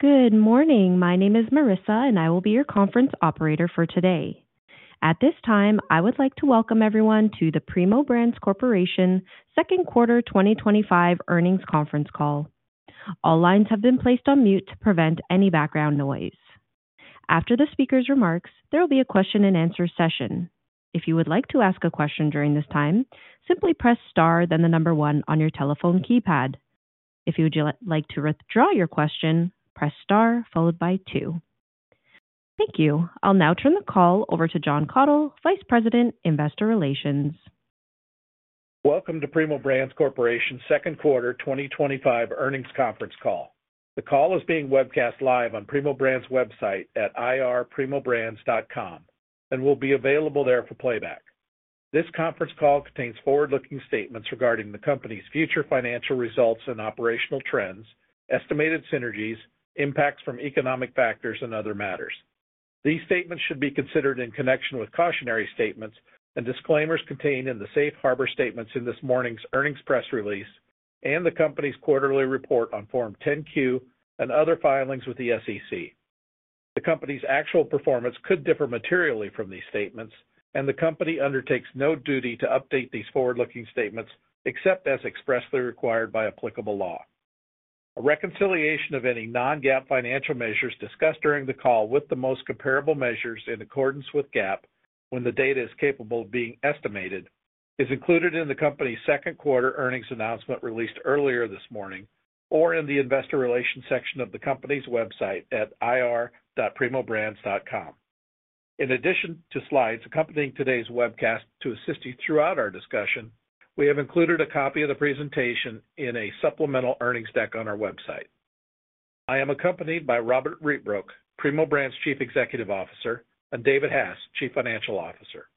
Good morning. My name is Marissa, and I will be your conference operator for today. At this time, I would like to welcome everyone to the Primo Brands Corporation Second Quarter 2025 Earnings Conference Call. All lines have been placed on mute to prevent any background noise. After the speaker's remarks, there will be a question and answer session. If you would like to ask a question during this time, simply press star, then the number one on your telephone keypad. If you would like to withdraw your question, press star, followed by two. Thank you. I'll now turn the call over to Jon Kathol, Vice President, Investor Relations. Welcome to Primo Brands Corporation Second Quarter 2025 Earnings Conference Call. The call is being webcast live on Primo Brands' website at ir.primobrands.com and will be available there for playback. This conference call contains forward-looking statements regarding the company's future financial results and operational trends, estimated synergies, impacts from economic factors, and other matters. These statements should be considered in connection with cautionary statements and disclaimers contained in the safe harbor statements in this morning's earnings press release and the company's quarterly report on Form 10-Q and other filings with the SEC. The company's actual performance could differ materially from these statements, and the company undertakes no duty to update these forward-looking statements except as expressly required by applicable law. A reconciliation of any non-GAAP financial measures discussed during the call with the most comparable measures in accordance with GAAP when the data is capable of being estimated is included in the company's second quarter earnings announcement released earlier this morning or in the Investor Relations section of the company's website at ir.primobrands.com. In addition to slides accompanying today's webcast to assist you throughout our discussion, we have included a copy of the presentation in a supplemental earnings deck on our website. I am accompanied by Robbert Rietbroek, Primo Brands' Chief Executive Officer, and David Hass, Chief Financial Officer.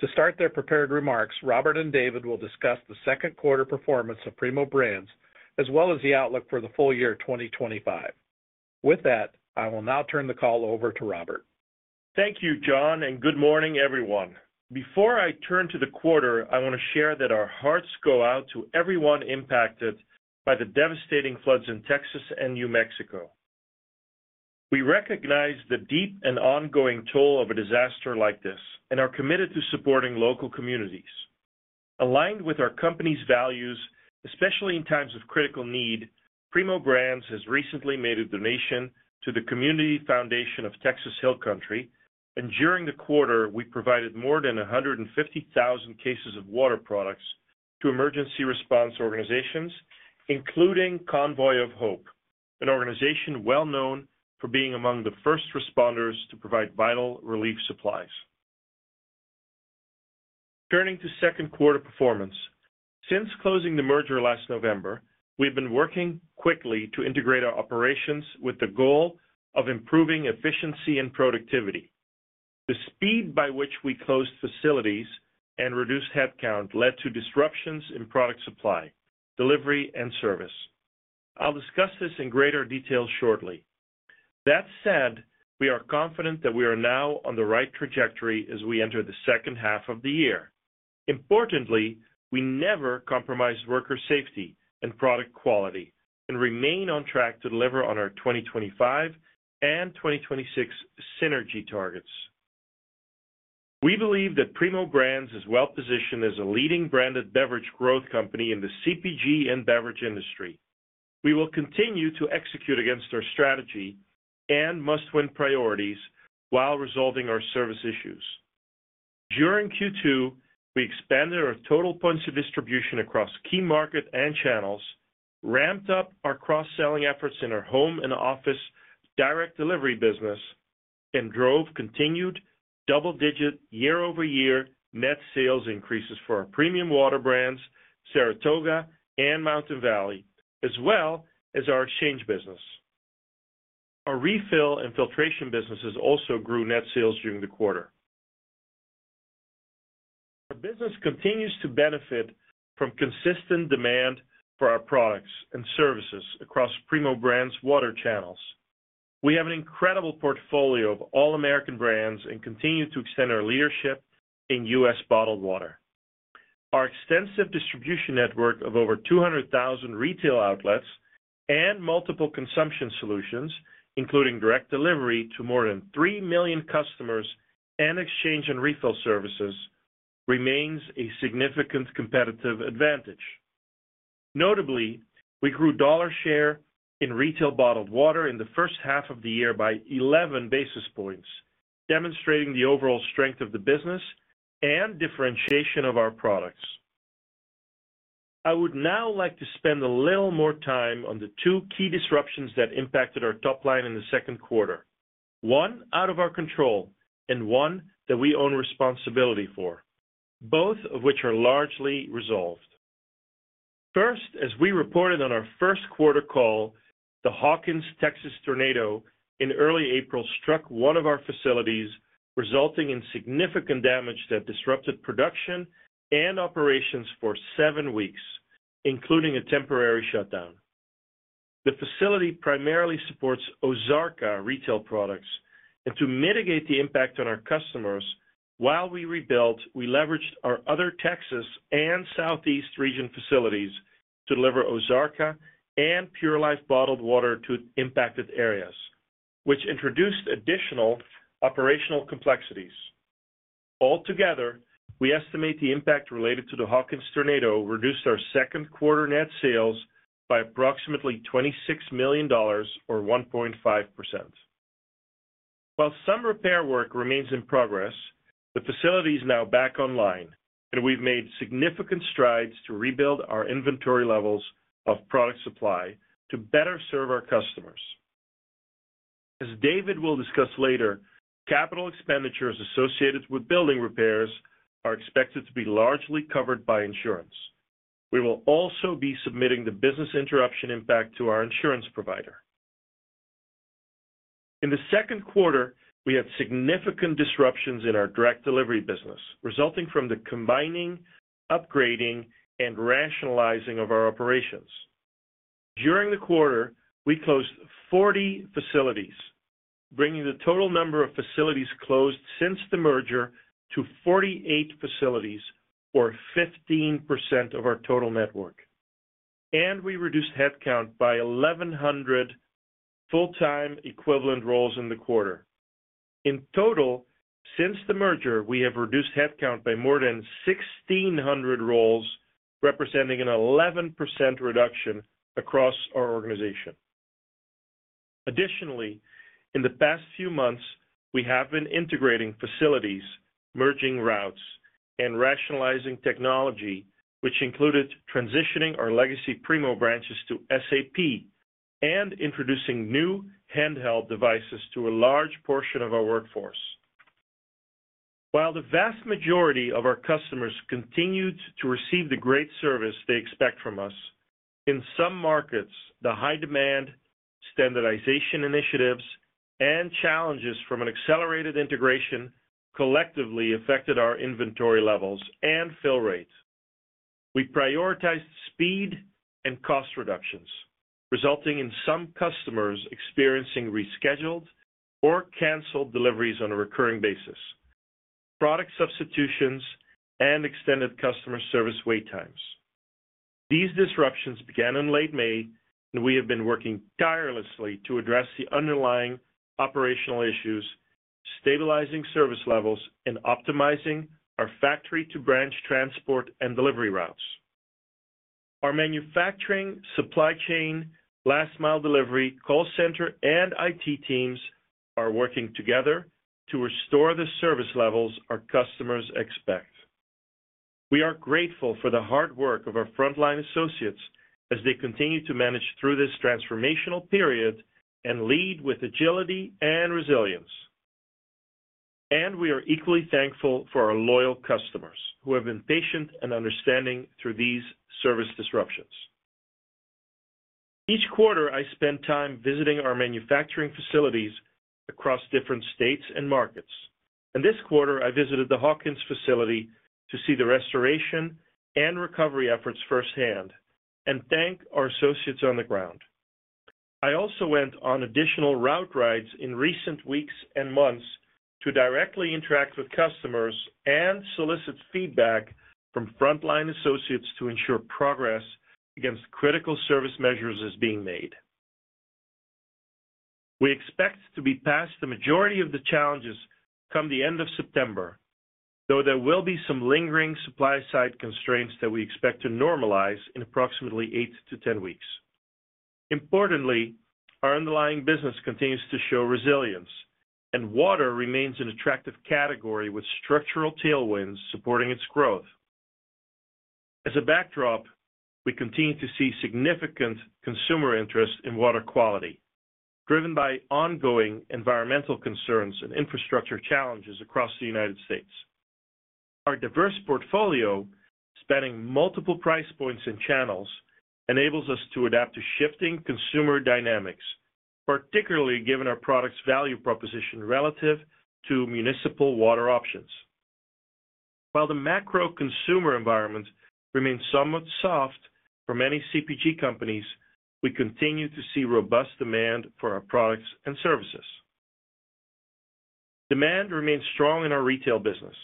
To start their prepared remarks, Robbert and David will discuss the second quarter performance of Primo Brands as well as the outlook for the full year 2025. With that, I will now turn the call over to Robbert. Thank you, Jon, and good morning, everyone. Before I turn to the quarter, I want to share that our hearts go out to everyone impacted by the devastating floods in Texas and New Mexico. We recognize the deep and ongoing toll of a disaster like this and are committed to supporting local communities. Aligned with our company's values, especially in times of critical need, Primo Brands has recently made a donation to the Community Foundation of Texas Hill Country, and during the quarter, we provided more than 150,000 cases of water products to emergency response organizations, including Convoy of Hope, an organization well known for being among the first responders to provide vital relief supplies. Turning to second quarter performance, since closing the merger last November, we've been working quickly to integrate our operations with the goal of improving efficiency and productivity. The speed by which we closed facilities and reduced headcount led to disruptions in product supply, delivery, and service. I'll discuss this in greater detail shortly. That said, we are confident that we are now on the right trajectory as we enter the second half of the year. Importantly, we never compromised worker safety and product quality and remain on track to deliver on our 2025 and 2026 synergy targets. We believe that Primo Brands is well positioned as a leading branded beverage growth company in the CPG and beverage industry. We will continue to execute against our strategy and must win priorities while resolving our service issues. During Q2, we expanded our total points of distribution across key markets and channels, ramped up our cross-selling efforts in our home and office direct delivery business, and drove continued double-digit year-over-year net sales increases for our premium water brands, Saratoga and Mountain Valley, as well as our exchange business. Our refill and filtration businesses also grew net sales during the quarter. Our business continues to benefit from consistent demand for our products and services across Primo Brands' water channels. We have an incredible portfolio of all American brands and continue to extend our leadership in U.S. bottled water. Our extensive distribution network of over 200,000 retail outlets and multiple consumption solutions, including direct delivery to more than 3 million customers and exchange and refill services, remains a significant competitive advantage. Notably, we grew dollar share in retail bottled water in the first half of the year by 11 basis points, demonstrating the overall strength of the business and differentiation of our products. I would now like to spend a little more time on the two key disruptions that impacted our top line in the second quarter, one out of our control and one that we own responsibility for, both of which are largely resolved. First, as we reported on our first quarter call, the Hawkins, Texas tornado in early April struck one of our facilities, resulting in significant damage that disrupted production and operations for seven weeks, including a temporary shutdown. The facility primarily supports Ozarka retail products, and to mitigate the impact on our customers, while we rebuilt, we leveraged our other Texas and Southeast region facilities to deliver Ozarka and Pure Life bottled water to impacted areas, which introduced additional operational complexities. Altogether, we estimate the impact related to the Hawkins tornado reduced our second quarter net sales by approximately $26 million, or 1.5%. While some repair work remains in progress, the facility is now back online, and we've made significant strides to rebuild our inventory levels of product supply to better serve our customers. As David will discuss later, capital expenditures associated with building repairs are expected to be largely covered by insurance. We will also be submitting the business interruption impact to our insurance provider. In the second quarter, we had significant disruptions in our direct delivery business, resulting from the combining, upgrading, and rationalizing of our operations. During the quarter, we closed 40 facilities, bringing the total number of facilities closed since the merger to 48 facilities, or 15% of our total network. We reduced headcount by 1,100 full-time equivalent roles in the quarter. In total, since the merger, we have reduced headcount by more than 1,600 roles, representing an 11% reduction across our organization. Additionally, in the past few months, we have been integrating facilities, merging routes, and rationalizing technology, which included transitioning our legacy Primo branches to SAP and introducing new handheld devices to a large portion of our workforce. While the vast majority of our customers continued to receive the great service they expect from us, in some markets, the high demand, standardization initiatives, and challenges from an accelerated integration collectively affected our inventory levels and fill rate. We prioritized speed and cost reductions, resulting in some customers experiencing rescheduled or canceled deliveries on a recurring basis, product substitutions, and extended customer service wait times. These disruptions began in late May, and we have been working tirelessly to address the underlying operational issues, stabilizing service levels, and optimizing our factory-to-branch transport and delivery routes. Our manufacturing, supply chain, last-mile delivery, call center, and IT teams are working together to restore the service levels our customers expect. We are grateful for the hard work of our frontline associates as they continue to manage through this transformational period and lead with agility and resilience. We are equally thankful for our loyal customers who have been patient and understanding through these service disruptions. Each quarter, I spend time visiting our manufacturing facilities across different states and markets. This quarter, I visited the Hawkins facility to see the restoration and recovery efforts firsthand and thank our associates on the ground. I also went on additional route rides in recent weeks and months to directly interact with customers and solicit feedback from frontline associates to ensure progress against critical service measures is being made. We expect to be past the majority of the challenges come the end of September, though there will be some lingering supply-side constraints that we expect to normalize in approximately eight to 10 weeks. Importantly, our underlying business continues to show resilience, and water remains an attractive category with structural tailwinds supporting its growth. As a backdrop, we continue to see significant consumer interest in water quality, driven by ongoing environmental concerns and infrastructure challenges across the United States. Our diverse portfolio, spanning multiple price points and channels, enables us to adapt to shifting consumer dynamics, particularly given our product's value proposition relative to municipal water options. While the macro consumer environment remains somewhat soft for many CPG companies, we continue to see robust demand for our products and services. Demand remains strong in our retail business,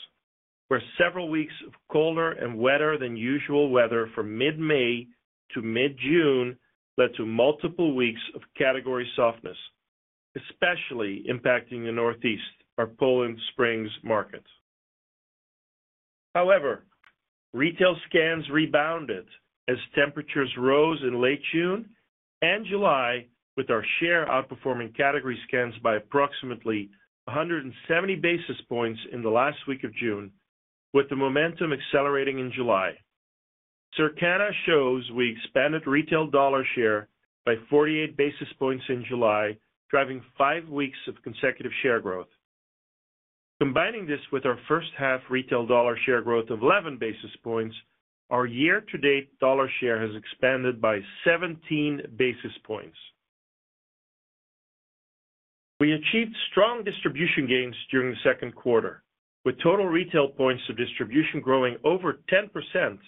where several weeks of colder and wetter than usual weather from mid-May to mid-June led to multiple weeks of category softness, especially impacting the Northeast, our Poland Springs markets. However, retail scans rebounded as temperatures rose in late June and July, with our share outperforming category scans by approximately 170 basis points in the last week of June, with the momentum accelerating in July. Circana shows we expanded retail dollar share by 48 basis points in July, driving five weeks of consecutive share growth. Combining this with our first half retail dollar share growth of 11 basis points, our year-to-date dollar share has expanded by 17 basis points. We achieved strong distribution gains during the second quarter, with total retail points of distribution growing over 10%.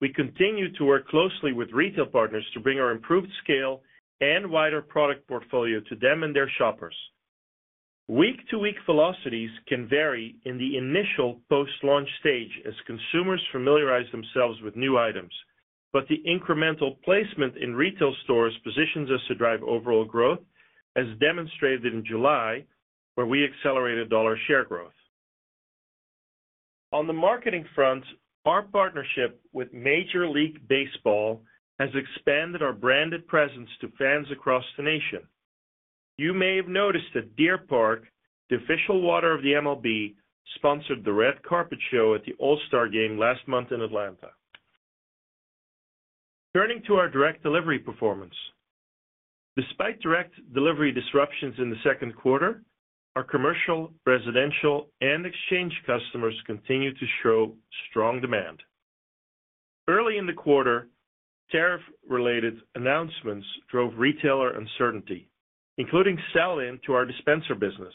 We continue to work closely with retail partners to bring our improved scale and wider product portfolio to them and their shoppers. Week-to-week velocities can vary in the initial post-launch stage as consumers familiarize themselves with new items, but the incremental placement in retail stores positions us to drive overall growth, as demonstrated in July, where we accelerated dollar share growth. On the marketing front, our partnership with Major League Baseball has expanded our branded presence to fans across the nation. You may have noticed that Deer Park, the official water of the MLB, sponsored the Red Carpet Show at the All-Star Game last month in Atlanta. Turning to our direct delivery performance, despite direct delivery disruptions in the second quarter, our commercial, residential, and exchange customers continue to show strong demand. Early in the quarter, tariff-related announcements drove retailer uncertainty, including sell-in to our dispenser business,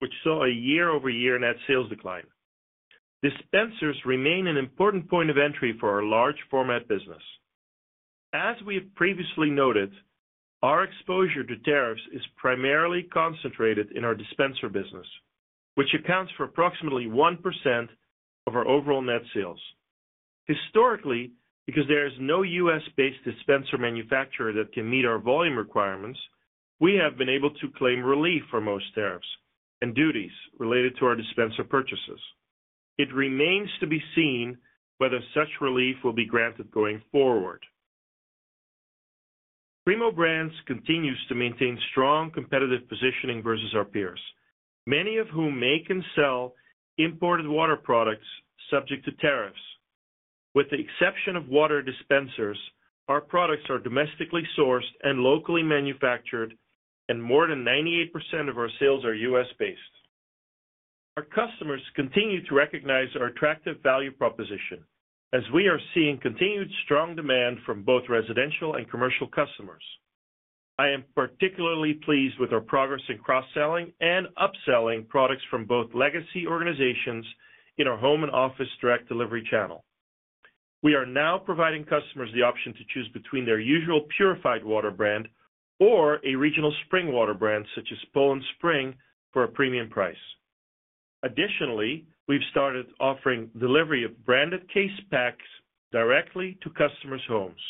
which saw a year-over-year net sales decline. Dispensers remain an important point of entry for our large-format business. As we have previously noted, our exposure to tariffs is primarily concentrated in our dispenser business, which accounts for approximately 1% of our overall net sales. Historically, because there is no U.S.-based dispenser manufacturer that can meet our volume requirements, we have been able to claim relief for most tariffs and duties related to our dispenser purchases. It remains to be seen whether such relief will be granted going forward. Primo Brands continues to maintain strong competitive positioning versus our peers, many of whom make and sell imported water products subject to tariffs. With the exception of water dispensers, our products are domestically sourced and locally manufactured, and more than 98% of our sales are U.S.-based. Our customers continue to recognize our attractive value proposition, as we are seeing continued strong demand from both residential and commercial customers. I am particularly pleased with our progress in cross-selling and upselling products from both legacy organizations in our home and office direct delivery channel. We are now providing customers the option to choose between their usual purified water brand or a regional spring water brand such as Poland Spring for a premium price. Additionally, we've started offering delivery of branded case packs directly to customers' homes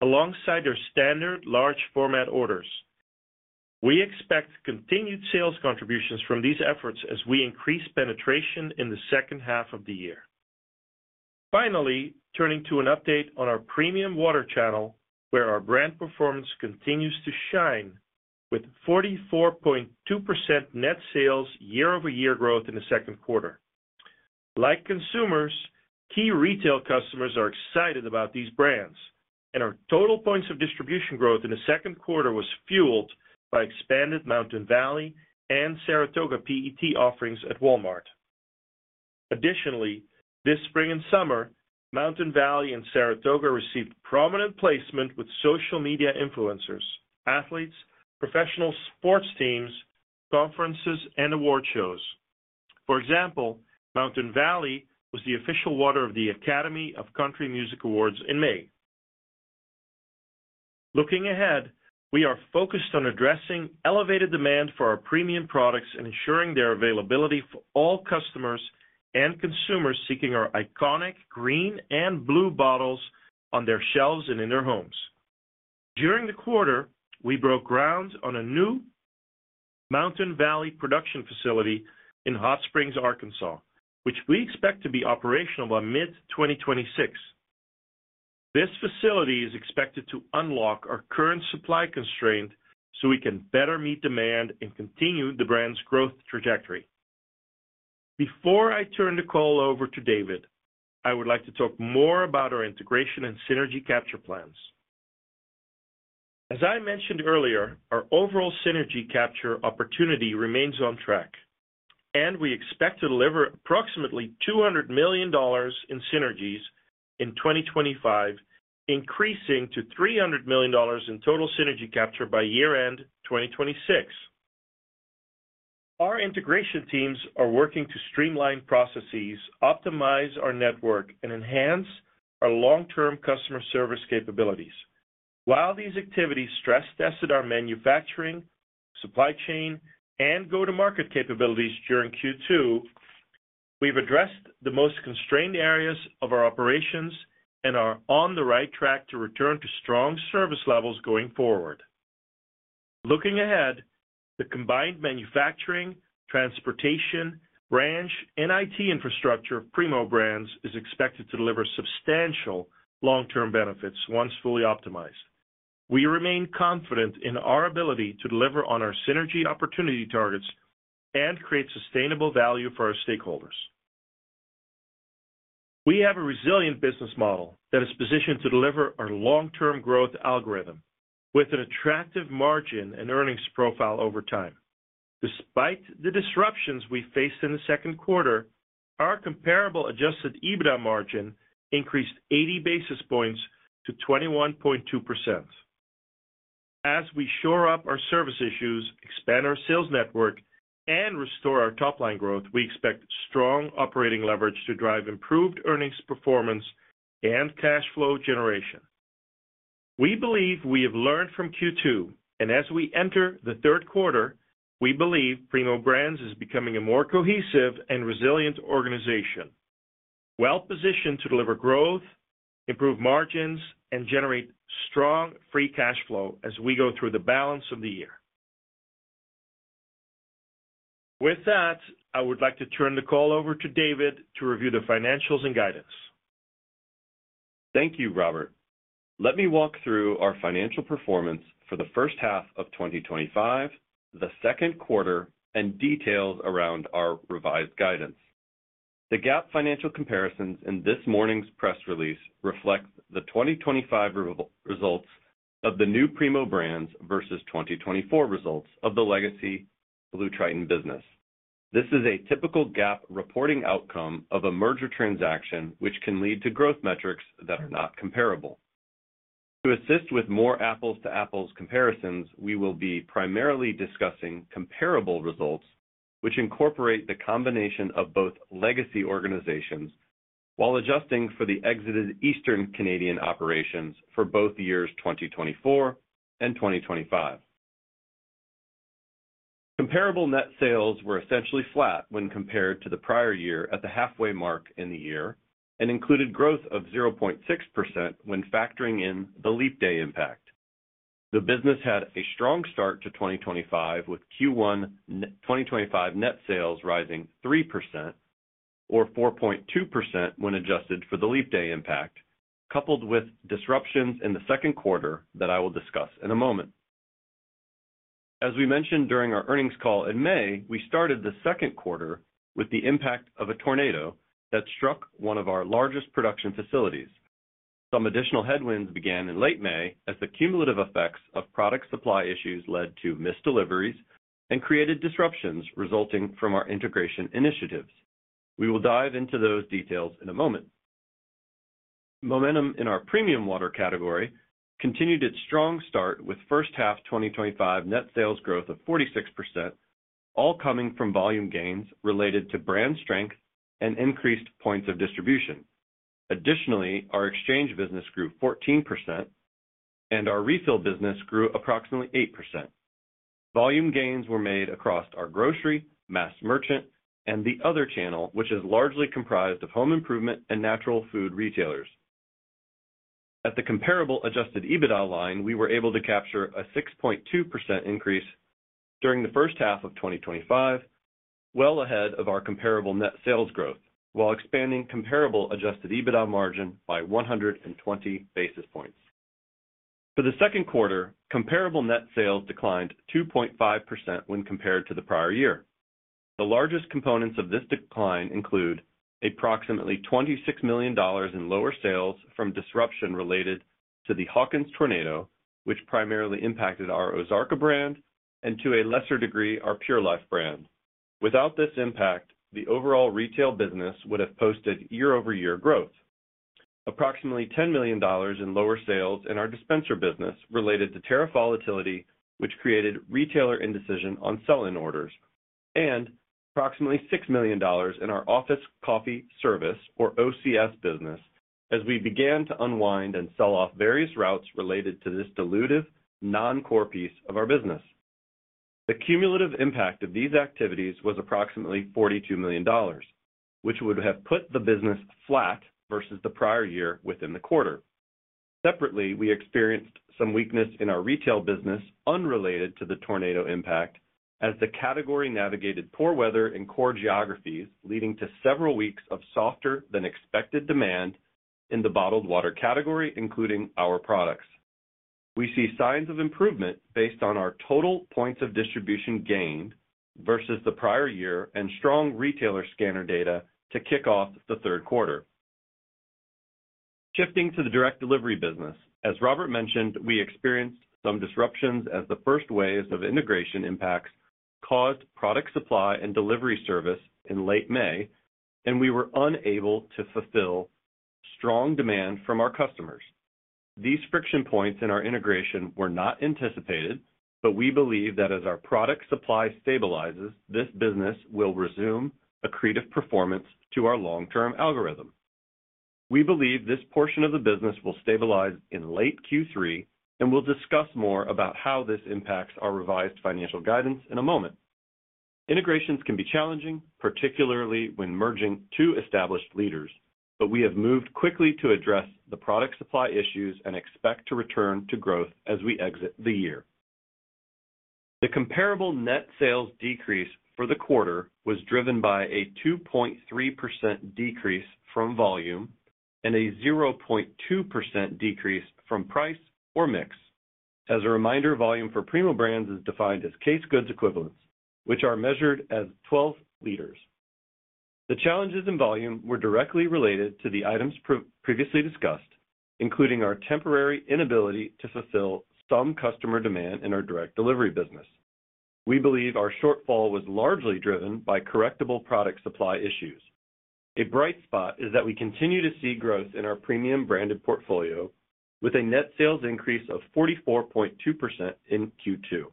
alongside their standard large-format orders. We expect continued sales contributions from these efforts as we increase penetration in the second half of the year. Finally, turning to an update on our premium water channel, where our brand performance continues to shine with 44.2% net sales year-over-year growth in the second quarter. Like consumers, key retail customers are excited about these brands, and our total points of distribution growth in the second quarter was fueled by expanded Mountain Valley and Saratoga PET offerings at Walmart. Additionally, this spring and summer, Mountain Valley and Saratoga received prominent placement with social media influencers, athletes, professional sports teams, conferences, and award shows. For example, Mountain Valley was the official water of the Academy of Country Music Awards in May. Looking ahead, we are focused on addressing elevated demand for our premium products and ensuring their availability for all customers and consumers seeking our iconic green and blue bottles on their shelves and in their homes. During the quarter, we broke ground on a new Mountain Valley production facility in Hot Springs, Arkansas, which we expect to be operational by mid-2026. This facility is expected to unlock our current supply constraint so we can better meet demand and continue the brand's growth trajectory. Before I turn the call over to David, I would like to talk more about our integration and synergy capture plans. As I mentioned earlier, our overall synergy capture opportunity remains on track, and we expect to deliver approximately $200 million in synergies in 2025, increasing to $300 million in total synergy capture by year-end 2026. Our integration teams are working to streamline processes, optimize our network, and enhance our long-term customer service capabilities. While these activities stress-tested our manufacturing, supply chain, and go-to-market capabilities during Q2, we've addressed the most constrained areas of our operations and are on the right track to return to strong service levels going forward. Looking ahead, the combined manufacturing, transportation, branch, and IT infrastructure of Primo Brands is expected to deliver substantial long-term benefits once fully optimized. We remain confident in our ability to deliver on our synergy opportunity targets and create sustainable value for our stakeholders. We have a resilient business model that is positioned to deliver our long-term growth algorithm with an attractive margin and earnings profile over time. Despite the disruptions we faced in the second quarter, our comparable adjusted EBITDA margin increased 80 basis points to 21.2%. As we shore up our service issues, expand our sales network, and restore our top-line growth, we expect strong operating leverage to drive improved earnings performance and cash flow generation. We believe we have learned from Q2, and as we enter the third quarter, we believe Primo Brands is becoming a more cohesive and resilient organization, well positioned to deliver growth, improve margins, and generate strong free cash flow as we go through the balance of the year. With that, I would like to turn the call over to David to review the financials and guidance. Thank you, Robbert. Let me walk through our financial performance for the first half of 2025, the second quarter, and details around our revised guidance. The GAAP financial comparisons in this morning's press release reflect the 2025 results of the new Primo Brands versus 2024 results of the legacy BlueTriton business. This is a typical GAAP reporting outcome of a merger transaction, which can lead to growth metrics that are not comparable. To assist with more apples-to-apples comparisons, we will be primarily discussing comparable results, which incorporate the combination of both legacy organizations while adjusting for the exited Eastern Canadian operations for both years 2024 and 2025. Comparable net sales were essentially flat when compared to the prior year at the halfway mark in the year and included growth of 0.6% when factoring in the leap day impact. The business had a strong start to 2025 with Q1 2025 net sales rising 3% or 4.2% when adjusted for the leap day impact, coupled with disruptions in the second quarter that I will discuss in a moment. As we mentioned during our earnings call in May, we started the second quarter with the impact of a tornado that struck one of our largest production facilities. Some additional headwinds began in late May as the cumulative effects of product supply issues led to missed deliveries and created disruptions resulting from our integration initiatives. We will dive into those details in a moment. Momentum in our premium water category continued its strong start with first half 2025 net sales growth of 46%, all coming from volume gains related to brand strength and increased points of distribution. Additionally, our exchange business grew 14% and our refill business grew approximately 8%. Volume gains were made across our grocery, mass merchant, and the other channel, which is largely comprised of home improvement and natural food retailers. At the comparable adjusted EBITDA line, we were able to capture a 6.2% increase during the first half of 2025, well ahead of our comparable net sales growth, while expanding comparable adjusted EBITDA margin by 120 basis points. For the second quarter, comparable net sales declined 2.5% when compared to the prior year. The largest components of this decline include approximately $26 million in lower sales from disruption related to the Hawkins tornado, which primarily impacted our Ozarka brand and to a lesser degree our Pure Life brand. Without this impact, the overall retail business would have posted year-over-year growth. Approximately $10 million in lower sales in our dispenser business related to tariff volatility, which created retailer indecision on sell-in orders, and approximately $6 million in our office coffee service, or OCS business, as we began to unwind and sell off various routes related to this dilutive, non-core piece of our business. The cumulative impact of these activities was approximately $42 million, which would have put the business flat versus the prior year within the quarter. Separately, we experienced some weakness in our retail business unrelated to the tornado impact, as the category navigated poor weather in core geographies, leading to several weeks of softer than expected demand in the bottled water category, including our products. We see signs of improvement based on our total points of distribution gained versus the prior year and strong retailer scanner data to kick off the third quarter. Shifting to the direct delivery business, as Robbert mentioned, we experienced some disruptions as the first waves of integration impacts caused product supply and delivery service in late May, and we were unable to fulfill strong demand from our customers. These friction points in our integration were not anticipated, but we believe that as our product supply stabilizes, this business will resume accretive performance to our long-term algorithm. We believe this portion of the business will stabilize in late Q3, and we'll discuss more about how this impacts our revised financial guidance in a moment. Integrations can be challenging, particularly when merging two established leaders, but we have moved quickly to address the product supply issues and expect to return to growth as we exit the year. The comparable net sales decrease for the quarter was driven by a 2.3% decrease from volume and a 0.2% decrease from price or mix. As a reminder, volume for Primo Brands is defined as case goods equivalents, which are measured as 12 liters. The challenges in volume were directly related to the items previously discussed, including our temporary inability to fulfill some customer demand in our direct delivery business. We believe our shortfall was largely driven by correctable product supply issues. A bright spot is that we continue to see growth in our premium branded portfolio with a net sales increase of 44.2% in Q2.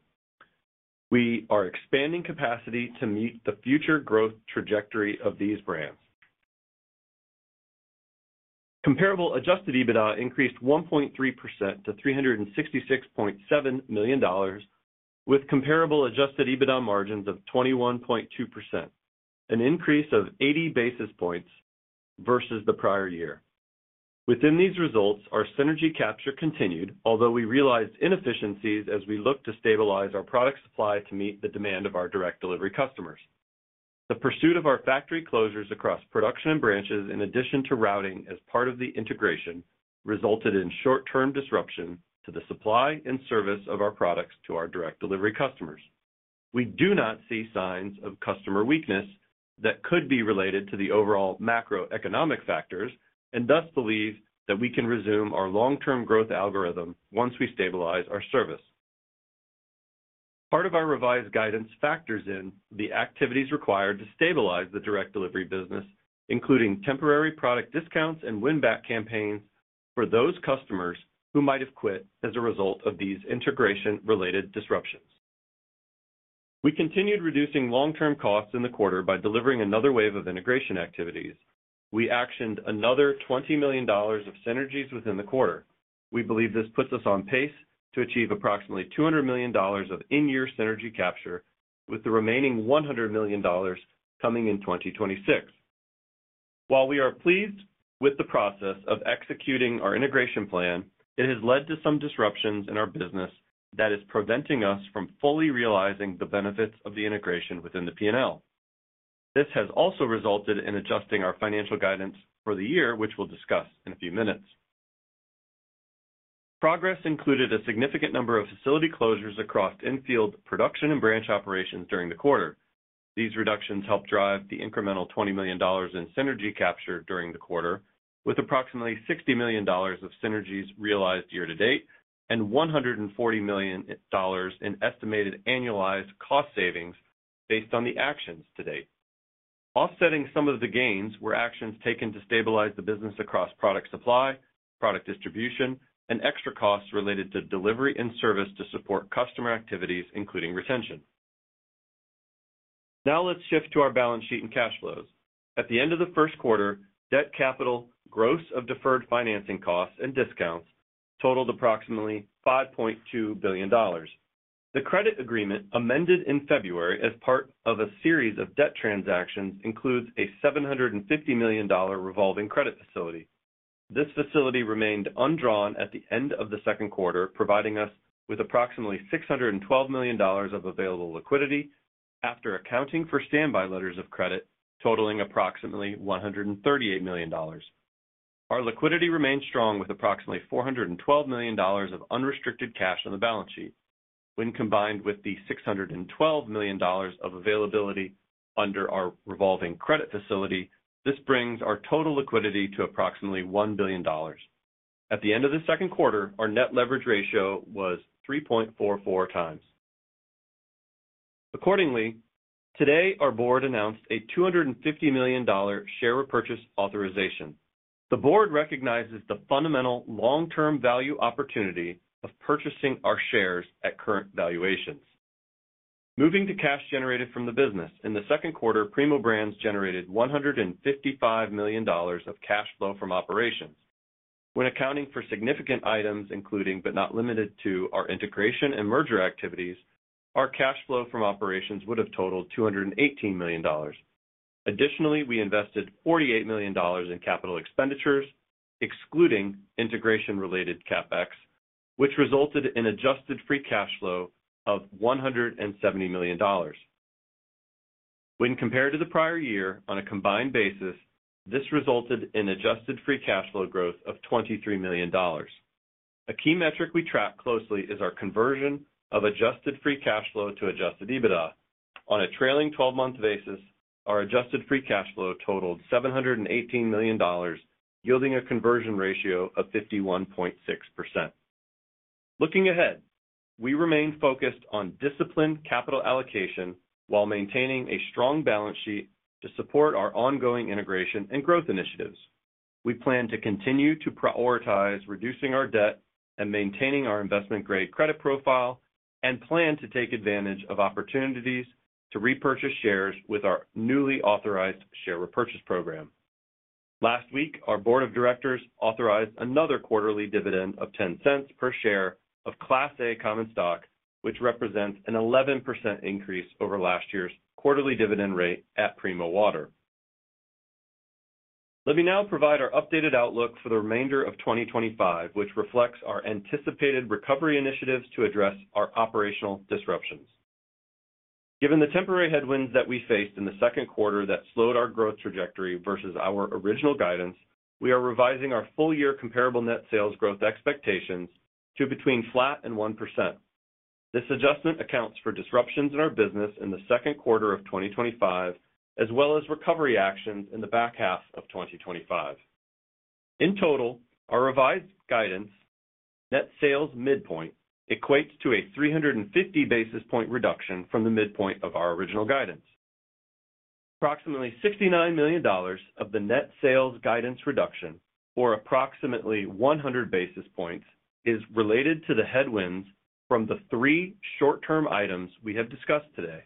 We are expanding capacity to meet the future growth trajectory of these brands. Comparable adjusted EBITDA increased 1.3% to $366.7 million, with comparable adjusted EBITDA margins of 21.2%, an increase of 80 basis points versus the prior year. Within these results, our synergy capture continued, although we realized inefficiencies as we looked to stabilize our product supply to meet the demand of our direct delivery customers. The pursuit of our factory closures across production and branches, in addition to routing as part of the integration, resulted in short-term disruption to the supply and service of our products to our direct delivery customers. We do not see signs of customer weakness that could be related to the overall macroeconomic factors and thus believe that we can resume our long-term growth algorithm once we stabilize our service. Part of our revised guidance factors in the activities required to stabilize the direct delivery business, including temporary product discounts and win-back campaigns for those customers who might have quit as a result of these integration-related disruptions. We continued reducing long-term costs in the quarter by delivering another wave of integration activities. We actioned another $20 million of synergies within the quarter. We believe this puts us on pace to achieve approximately $200 million of in-year synergy capture, with the remaining $100 million coming in 2026. While we are pleased with the process of executing our integration plan, it has led to some disruptions in our business that is preventing us from fully realizing the benefits of the integration within the P&L. This has also resulted in adjusting our financial guidance for the year, which we'll discuss in a few minutes. Progress included a significant number of facility closures across infield production and branch operations during the quarter. These reductions helped drive the incremental $20 million in synergy capture during the quarter, with approximately $60 million of synergies realized year to date and $140 million in estimated annualized cost savings based on the actions to date. Offsetting some of the gains were actions taken to stabilize the business across product supply, product distribution, and extra costs related to delivery and service to support customer activities, including retention. Now let's shift to our balance sheet and cash flows. At the end of the first quarter, debt capital, gross of deferred financing costs and discounts, totaled approximately $5.2 billion. The credit agreement amended in February as part of a series of debt transactions includes a $750 million revolving credit facility. This facility remained undrawn at the end of the second quarter, providing us with approximately $612 million of available liquidity after accounting for standby letters of credit totaling approximately $138 million. Our liquidity remains strong with approximately $412 million of unrestricted cash on the balance sheet. When combined with the $612 million of availability under our revolving credit facility, this brings our total liquidity to approximately $1 billion. At the end of the second quarter, our net leverage ratio was 3.44x. Accordingly, today our board announced a $250 million share repurchase authorization. The board recognizes the fundamental long-term value opportunity of purchasing our shares at current valuations. Moving to cash generated from the business, in the second quarter, Primo Brands generated $155 million of cash flow from operations. When accounting for significant items, including but not limited to our integration and merger activities, our cash flow from operations would have totaled $218 million. Additionally, we invested $48 million in capital expenditures, excluding integration-related CapEx, which resulted in adjusted free cash flow of $170 million. When compared to the prior year on a combined basis, this resulted in adjusted free cash flow growth of $23 million. A key metric we track closely is our conversion of adjusted free cash flow to adjusted EBITDA. On a trailing 12-month basis, our adjusted free cash flow totaled $718 million, yielding a conversion ratio of 51.6%. Looking ahead, we remain focused on disciplined capital allocation while maintaining a strong balance sheet to support our ongoing integration and growth initiatives. We plan to continue to prioritize reducing our debt and maintaining our investment-grade credit profile and plan to take advantage of opportunities to repurchase shares with our newly authorized share repurchase program. Last week, our board of directors authorized another quarterly dividend of $0.10 per share of Class A common stock, which represents an 11% increase over last year's quarterly dividend rate at Primo Water. Let me now provide our updated outlook for the remainder of 2025, which reflects our anticipated recovery initiatives to address our operational disruptions. Given the temporary headwinds that we faced in the second quarter that slowed our growth trajectory versus our original guidance, we are revising our full-year comparable net sales growth expectations to between flat and 1%. This adjustment accounts for disruptions in our business in the second quarter of 2025, as well as recovery actions in the back half of 2025. In total, our revised guidance net sales midpoint equates to a 350 basis point reduction from the midpoint of our original guidance. Approximately $69 million of the net sales guidance reduction, or approximately 100 basis points, is related to the headwinds from the three short-term items we have discussed today.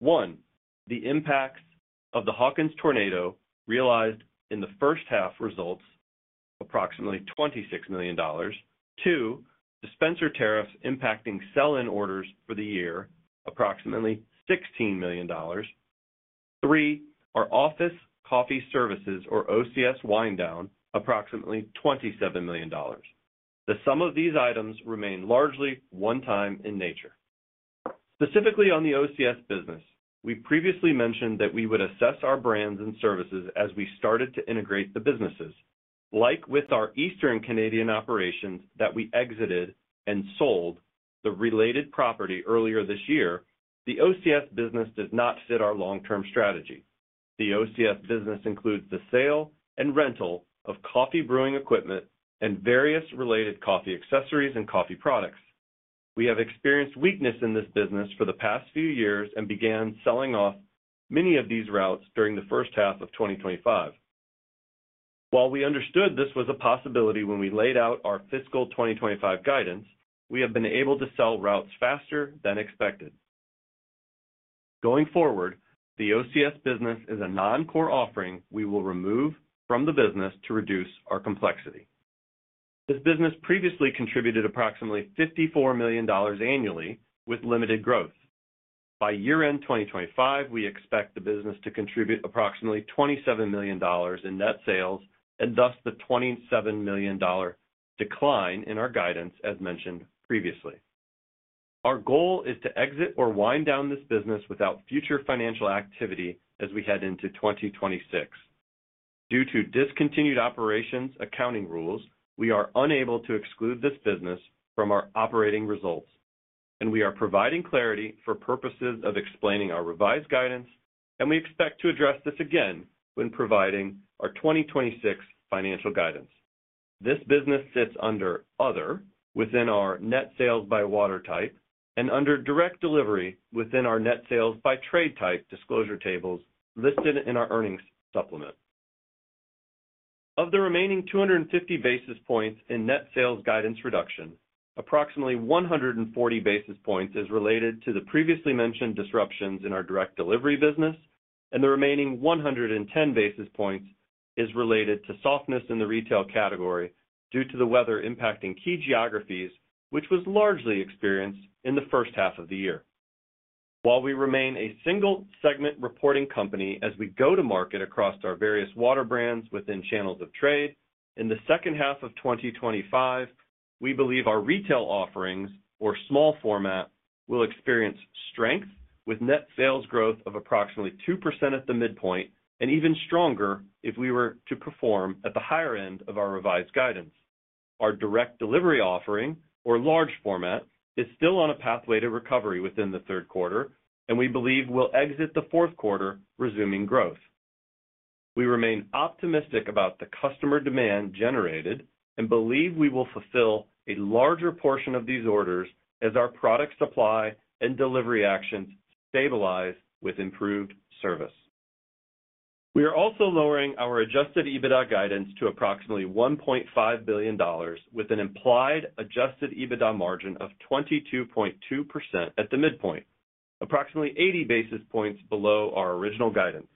One, the impacts of the Hawkins tornado realized in the first half results, approximately $26 million. Two, dispenser tariffs impacting sell-in orders for the year, approximately $16 million. Three, our office coffee services, or OCS wind down, approximately $27 million. The sum of these items remain largely one-time in nature. Specifically on the OCS business, we previously mentioned that we would assess our brands and services as we started to integrate the businesses. Like with our Eastern Canadian operations that we exited and sold the related property earlier this year, the OCS business does not fit our long-term strategy. The OCS business includes the sale and rental of coffee brewing equipment and various related coffee accessories and coffee products. We have experienced weakness in this business for the past few years and began selling off many of these routes during the first half of 2025. While we understood this was a possibility when we laid out our fiscal 2025 guidance, we have been able to sell routes faster than expected. Going forward, the OCS business is a non-core offering we will remove from the business to reduce our complexity. This business previously contributed approximately $54 million annually with limited growth. By year-end 2025, we expect the business to contribute approximately $27 million in net sales and thus the $27 million decline in our guidance, as mentioned previously. Our goal is to exit or wind down this business without future financial activity as we head into 2026. Due to discontinued operations accounting rules, we are unable to exclude this business from our operating results, and we are providing clarity for purposes of explaining our revised guidance, and we expect to address this again when providing our 2026 financial guidance. This business sits under other within our net sales by water type and under direct delivery within our net sales by trade type disclosure tables listed in our earnings supplement. Of the remaining 250 basis points in net sales guidance reduction, approximately 140 basis points are related to the previously mentioned disruptions in our direct delivery business, and the remaining 110 basis points are related to softness in the retail category due to the weather impacting key geographies, which was largely experienced in the first half of the year. While we remain a single-segment reporting company as we go to market across our various water brands within channels of trade, in the second half of 2025, we believe our retail offerings, or small format, will experience strength with net sales growth of approximately 2% at the midpoint and even stronger if we were to perform at the higher end of our revised guidance. Our direct delivery offering, or large format, is still on a pathway to recovery within the third quarter, and we believe we'll exit the fourth quarter resuming growth. We remain optimistic about the customer demand generated and believe we will fulfill a larger portion of these orders as our product supply and delivery actions stabilize with improved service. We are also lowering our adjusted EBITDA guidance to approximately $1.5 billion with an implied adjusted EBITDA margin of 22.2% at the midpoint, approximately 80 basis points below our original guidance.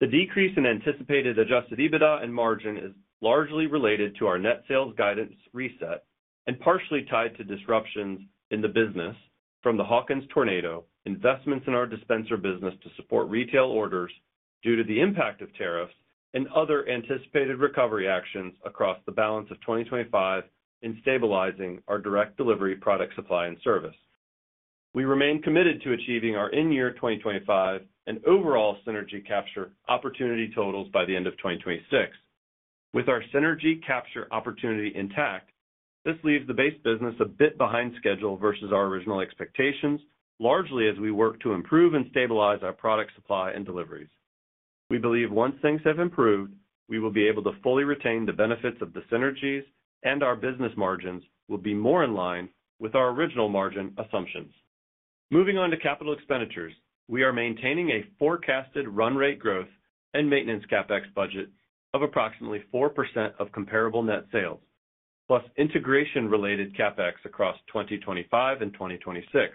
The decrease in anticipated adjusted EBITDA and margin is largely related to our net sales guidance reset and partially tied to disruptions in the business from the Hawkins tornado, investments in our dispenser business to support retail orders due to the impact of tariffs, and other anticipated recovery actions across the balance of 2025 in stabilizing our direct delivery product supply and service. We remain committed to achieving our in-year 2025 and overall synergy capture opportunity totals by the end of 2026. With our synergy capture opportunity intact, this leaves the base business a bit behind schedule versus our original expectations, largely as we work to improve and stabilize our product supply and deliveries. We believe once things have improved, we will be able to fully retain the benefits of the synergies, and our business margins will be more in line with our original margin assumptions. Moving on to capital expenditures, we are maintaining a forecasted run rate growth and maintenance CapEx budget of approximately 4% of comparable net sales, plus integration-related CapEx across 2025 and 2026.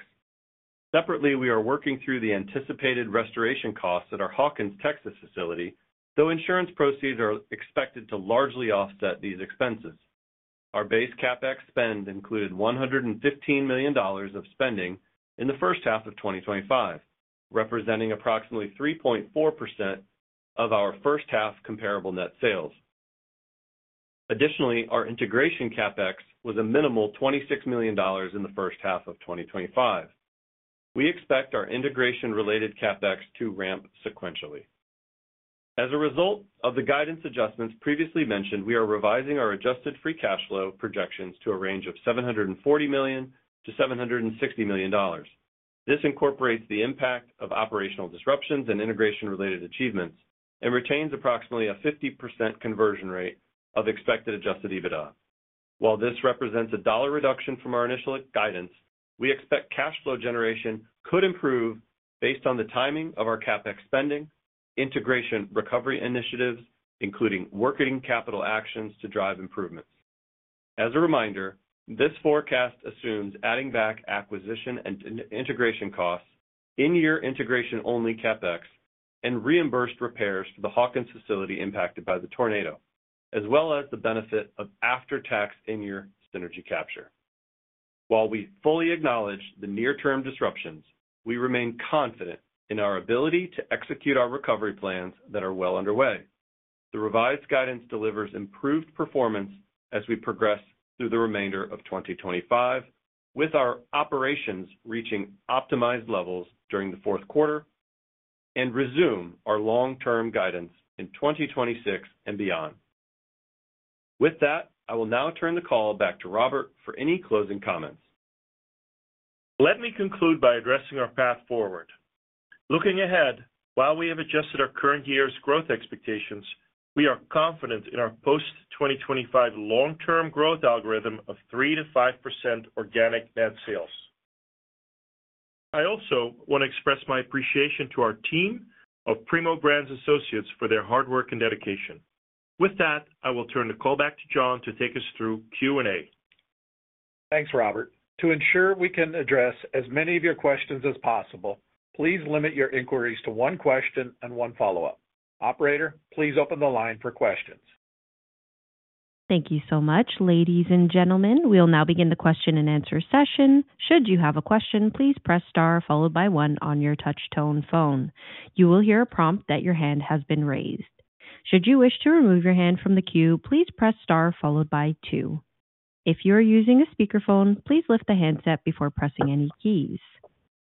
Separately, we are working through the anticipated restoration costs at our Hawkins, Texas facility, though insurance proceeds are expected to largely offset these expenses. Our base CapEx spend included $115 million of spending in the first half of 2025, representing approximately 3.4% of our first half comparable net sales. Additionally, our integration CapEx was a minimal $26 million in the first half of 2025. We expect our integration-related CapEx to ramp sequentially. As a result of the guidance adjustments previously mentioned, we are revising our adjusted free cash flow projections to a range of $740 million-$760 million. This incorporates the impact of operational disruptions and integration-related achievements and retains approximately a 50% conversion rate of expected adjusted EBITDA. While this represents a dollar reduction from our initial guidance, we expect cash flow generation could improve based on the timing of our CapEx spending, integration recovery initiatives, including working capital actions to drive improvements. As a reminder, this forecast assumes adding back acquisition and integration costs, in-year integration-only CapEx, and reimbursed repairs for the Hawkins facility impacted by the tornado, as well as the benefit of after-tax in-year synergy capture. While we fully acknowledge the near-term disruptions, we remain confident in our ability to execute our recovery plans that are well underway. The revised guidance delivers improved performance as we progress through the remainder of 2025, with our operations reaching optimized levels during the fourth quarter, and resume our long-term guidance in 2026 and beyond. With that, I will now turn the call back to Robbert for any closing comments. Let me conclude by addressing our path forward. Looking ahead, while we have adjusted our current year's growth expectations, we are confident in our post-2025 long-term growth algorithm of 3%-5% organic net sales. I also want to express my appreciation to our team of Primo Brands Associates for their hard work and dedication. With that, I will turn the call back to Jon to take us through Q&A. Thanks, Robbert. To ensure we can address as many of your questions as possible, please limit your inquiries to one question and one follow-up. Operator, please open the line for questions. Thank you so much, ladies and gentlemen. We'll now begin the question and answer session. Should you have a question, please press star followed by one on your touch-tone phone. You will hear a prompt that your hand has been raised. Should you wish to remove your hand from the queue, please press star followed by two. If you are using a speakerphone, please lift the handset before pressing any keys.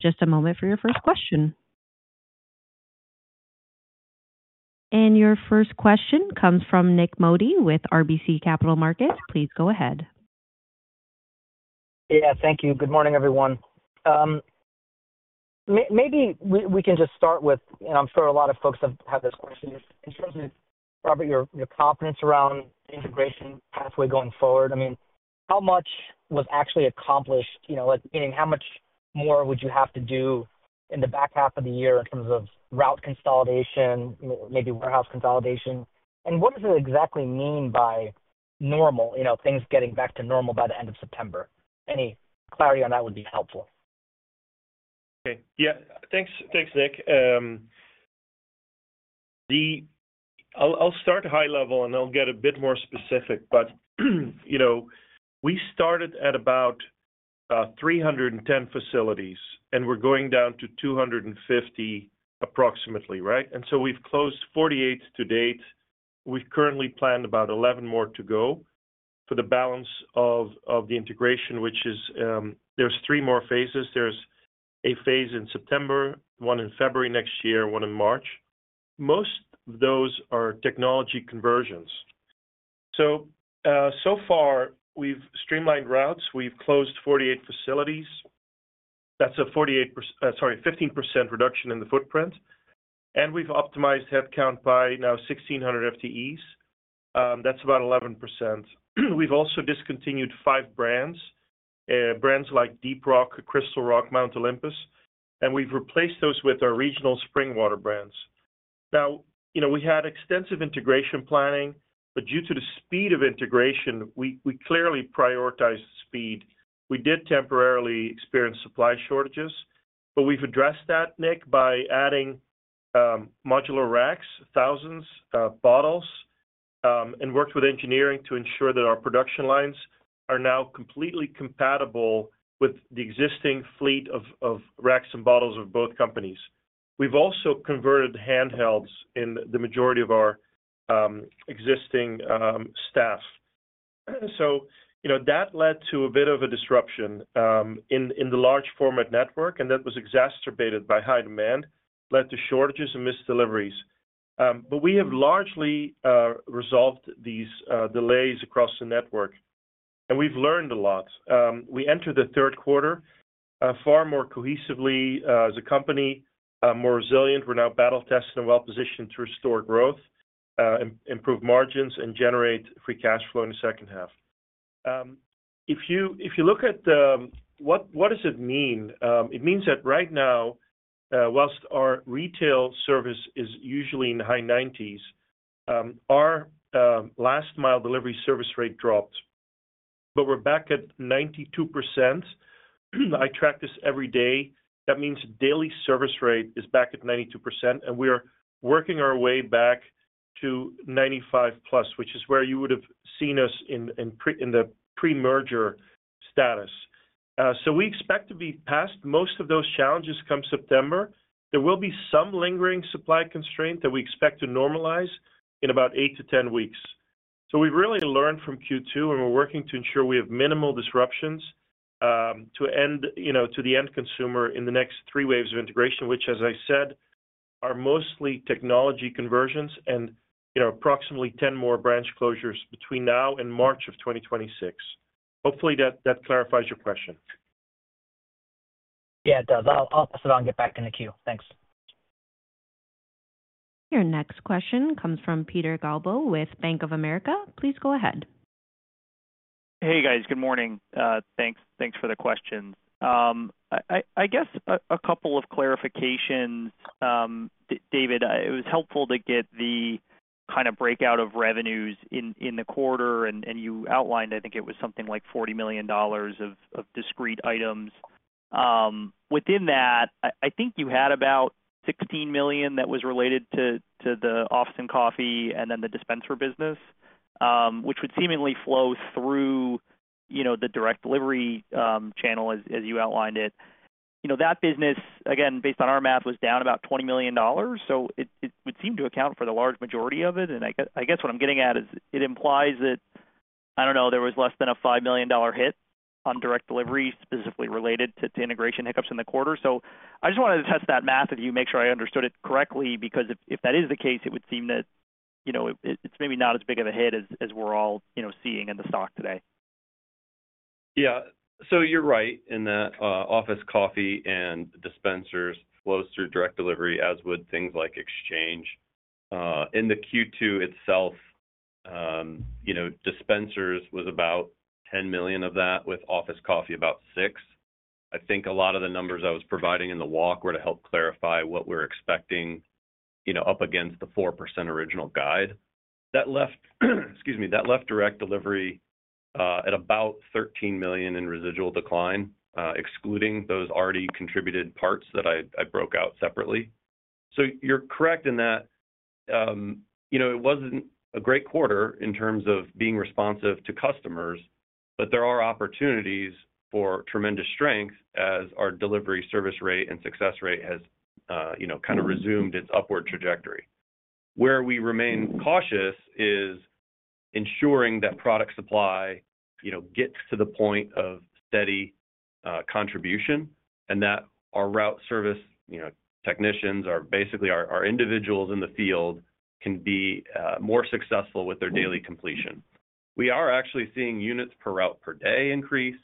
Just a moment for your first question. Your first question comes from Nik Modi with RBC Capital Markets. Please go ahead. Thank you. Good morning, everyone. Maybe we can just start with, and I'm sure a lot of folks have had this question. In terms of, Robbert, your confidence around the integration pathway going forward. How much was actually accomplished? How much more would you have to do in the back half of the year in terms of route consolidation, maybe warehouse consolidation? What does it exactly mean by normal, things getting back to normal by the end of September? Any clarity on that would be helpful. Okay. Yeah, thanks, Nick. I'll start high level and I'll get a bit more specific. You know, we started at about 310 facilities and we're going down to 250 approximately, right? We've closed 48 to date. We've currently planned about 11 more to go for the balance of the integration, which is, there's three more phases. There's a phase in September, one in February next year, one in March. Most of those are technology conversions. So far, we've streamlined routes. We've closed 48 facilities. That's a 15% reduction in the footprint. We've optimized headcount by now 1,600 FTEs. That's about 11%. We've also discontinued five brands, brands like Deep Rock, Crystal Rock, Mount Olympus, and we've replaced those with our regional spring water brands. We had extensive integration planning, but due to the speed of integration, we clearly prioritized speed. We did temporarily experience supply shortages, but we've addressed that, Nik, by adding modular racks, thousands of bottles, and worked with engineering to ensure that our production lines are now completely compatible with the existing fleet of racks and bottles of both companies. We've also converted handhelds in the majority of our existing staff. That led to a bit of a disruption in the large format network, and that was exacerbated by high demand, led to shortages and missed deliveries. We have largely resolved these delays across the network, and we've learned a lot. We entered the third quarter far more cohesively as a company, more resilient. We're now battle-tested and well-positioned to restore growth, improve margins, and generate free cash flow in the second half. If you look at what does it mean, it means that right now, whilst our retail service is usually in the high 90s, our last mile delivery service rate dropped, but we're back at 92%. I track this every day. That means daily service rate is back at 92%, and we're working our way back to 95%+, which is where you would have seen us in the pre-merger status. We expect to be past most of those challenges come September. There will be some lingering supply constraint that we expect to normalize in about eight to 10 weeks. We've really learned from Q2, and we're working to ensure we have minimal disruptions to the end consumer in the next three waves of integration, which, as I said, are mostly technology conversions and approximately ten more branch closures between now and March of 2026. Hopefully, that clarifies your question. Yeah, I'll pass it on and get back in the queue. Thanks. Your next question comes from Peter Galbo with Bank of America. Please go ahead. Hey guys, good morning. Thanks for the questions. I guess a couple of clarifications. David, it was helpful to get the kind of breakout of revenues in the quarter, and you outlined, I think it was something like $40 million of discrete items. Within that, I think you had about $16 million that was related to the Office Coffee and then the dispenser business, which would seemingly flow through the direct delivery channel, as you outlined it. That business, again, based on our math, was down about $20 million. It would seem to account for the large majority of it. I guess what I'm getting at is it implies that, I don't know, there was less than a $5 million hit on direct delivery specifically related to integration hiccups in the quarter. I just wanted to test that math with you, make sure I understood it correctly, because if that is the case, it would seem that, you know, it's maybe not as big of a hit as we're all seeing in the stock today. Yeah, you're right in that office coffee and dispensers flow through direct delivery, as would things like exchange. In the Q2 itself, dispensers was about $10 million of that, with office coffee about $6 million. I think a lot of the numbers I was providing in the walk were to help clarify what we're expecting, up against the 4% original guide. That left, excuse me, that left direct delivery at about $13 million in residual decline, excluding those already contributed parts that I broke out separately. You're correct in that it wasn't a great quarter in terms of being responsive to customers, but there are opportunities for tremendous strength as our delivery service rate and success rate has kind of resumed its upward trajectory. Where we remain cautious is ensuring that product supply gets to the point of steady contribution and that our route service technicians, or basically our individuals in the field, can be more successful with their daily completion. We are actually seeing units per route per day increase.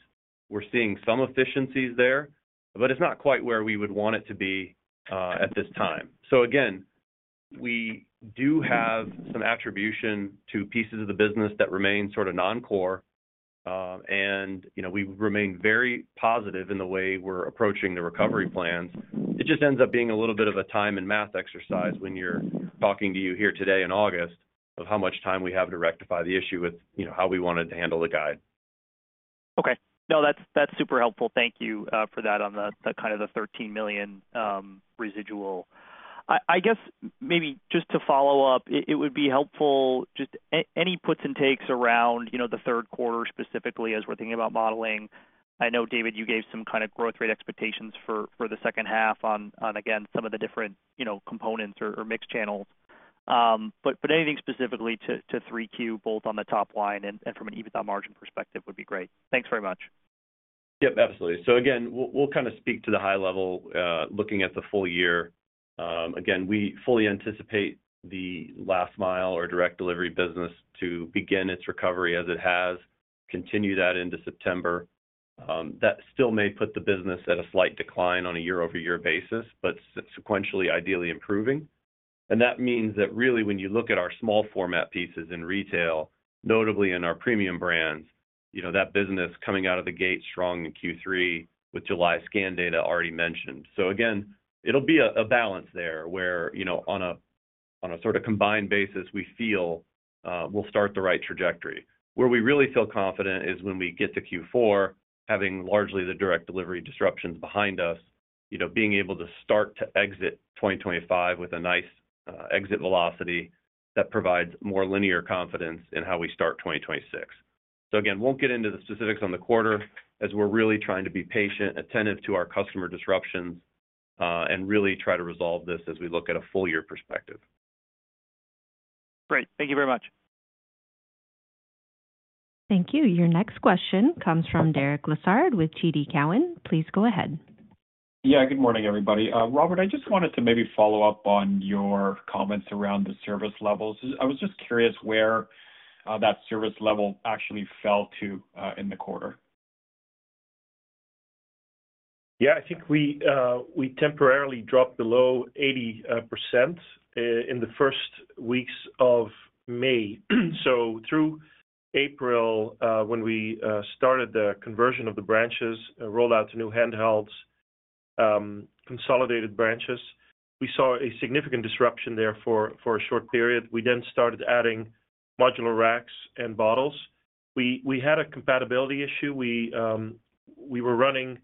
We're seeing some efficiencies there, but it's not quite where we would want it to be at this time. We do have some attribution to pieces of the business that remain sort of non-core, and we remain very positive in the way we're approaching the recovery plans. It just ends up being a little bit of a time and math exercise when you're talking to you here today in August of how much time we have to rectify the issue with how we wanted to handle the guide. Okay. No, that's super helpful. Thank you for that on the kind of the $13 million residual. I guess maybe just to follow up, it would be helpful just any puts and takes around, you know, the third quarter specifically as we're thinking about modeling. I know, David, you gave some kind of growth rate expectations for the second half on, again, some of the different, you know, components or mixed channels. Anything specifically to 3Q, both on the top line and from an EBITDA margin perspective would be great. Thanks very much. Absolutely. Again, we'll kind of speak to the high level, looking at the full year. Again, we fully anticipate the last mile or direct delivery business to begin its recovery as it has, continue that into September. That still may put the business at a slight decline on a year-over-year basis, but it's sequentially ideally improving. That means that really when you look at our small format pieces in retail, notably in our premium brands, that business coming out of the gate strong in Q3 with July scan data already mentioned. It'll be a balance there where, on a sort of combined basis, we feel we'll start the right trajectory. Where we really feel confident is when we get to Q4, having largely the direct delivery disruptions behind us, being able to start to exit 2025 with a nice exit velocity that provides more linear confidence in how we start 2026. We won't get into the specifics on the quarter as we're really trying to be patient, attentive to our customer disruptions, and really try to resolve this as we look at a full-year perspective. Great. Thank you very much. Thank you. Your next question comes from Derek Lessard with TD Cowen. Please go ahead. Yeah, good morning everybody. Robbert, I just wanted to maybe follow up on your comments around the service levels. I was just curious where that service level actually fell to in the quarter. Yeah, I think we temporarily dropped below 80% in the first weeks of May. Through April, when we started the conversion of the branches, rolled out to new handhelds, consolidated branches, we saw a significant disruption there for a short period. We then started adding modular racks and bottles. We had a compatibility issue. We were running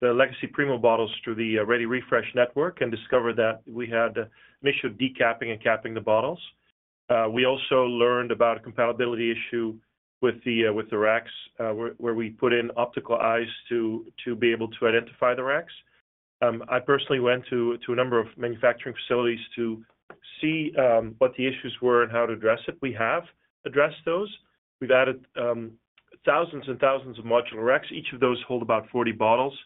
the legacy Primo bottles through the ReadyRefresh network and discovered that we had an issue decapping and capping the bottles. We also learned about a compatibility issue with the racks, where we put in optical eyes to be able to identify the racks. I personally went to a number of manufacturing facilities to see what the issues were and how to address it. We have addressed those. We've added thousands and thousands of modular racks. Each of those hold about 40 bottles,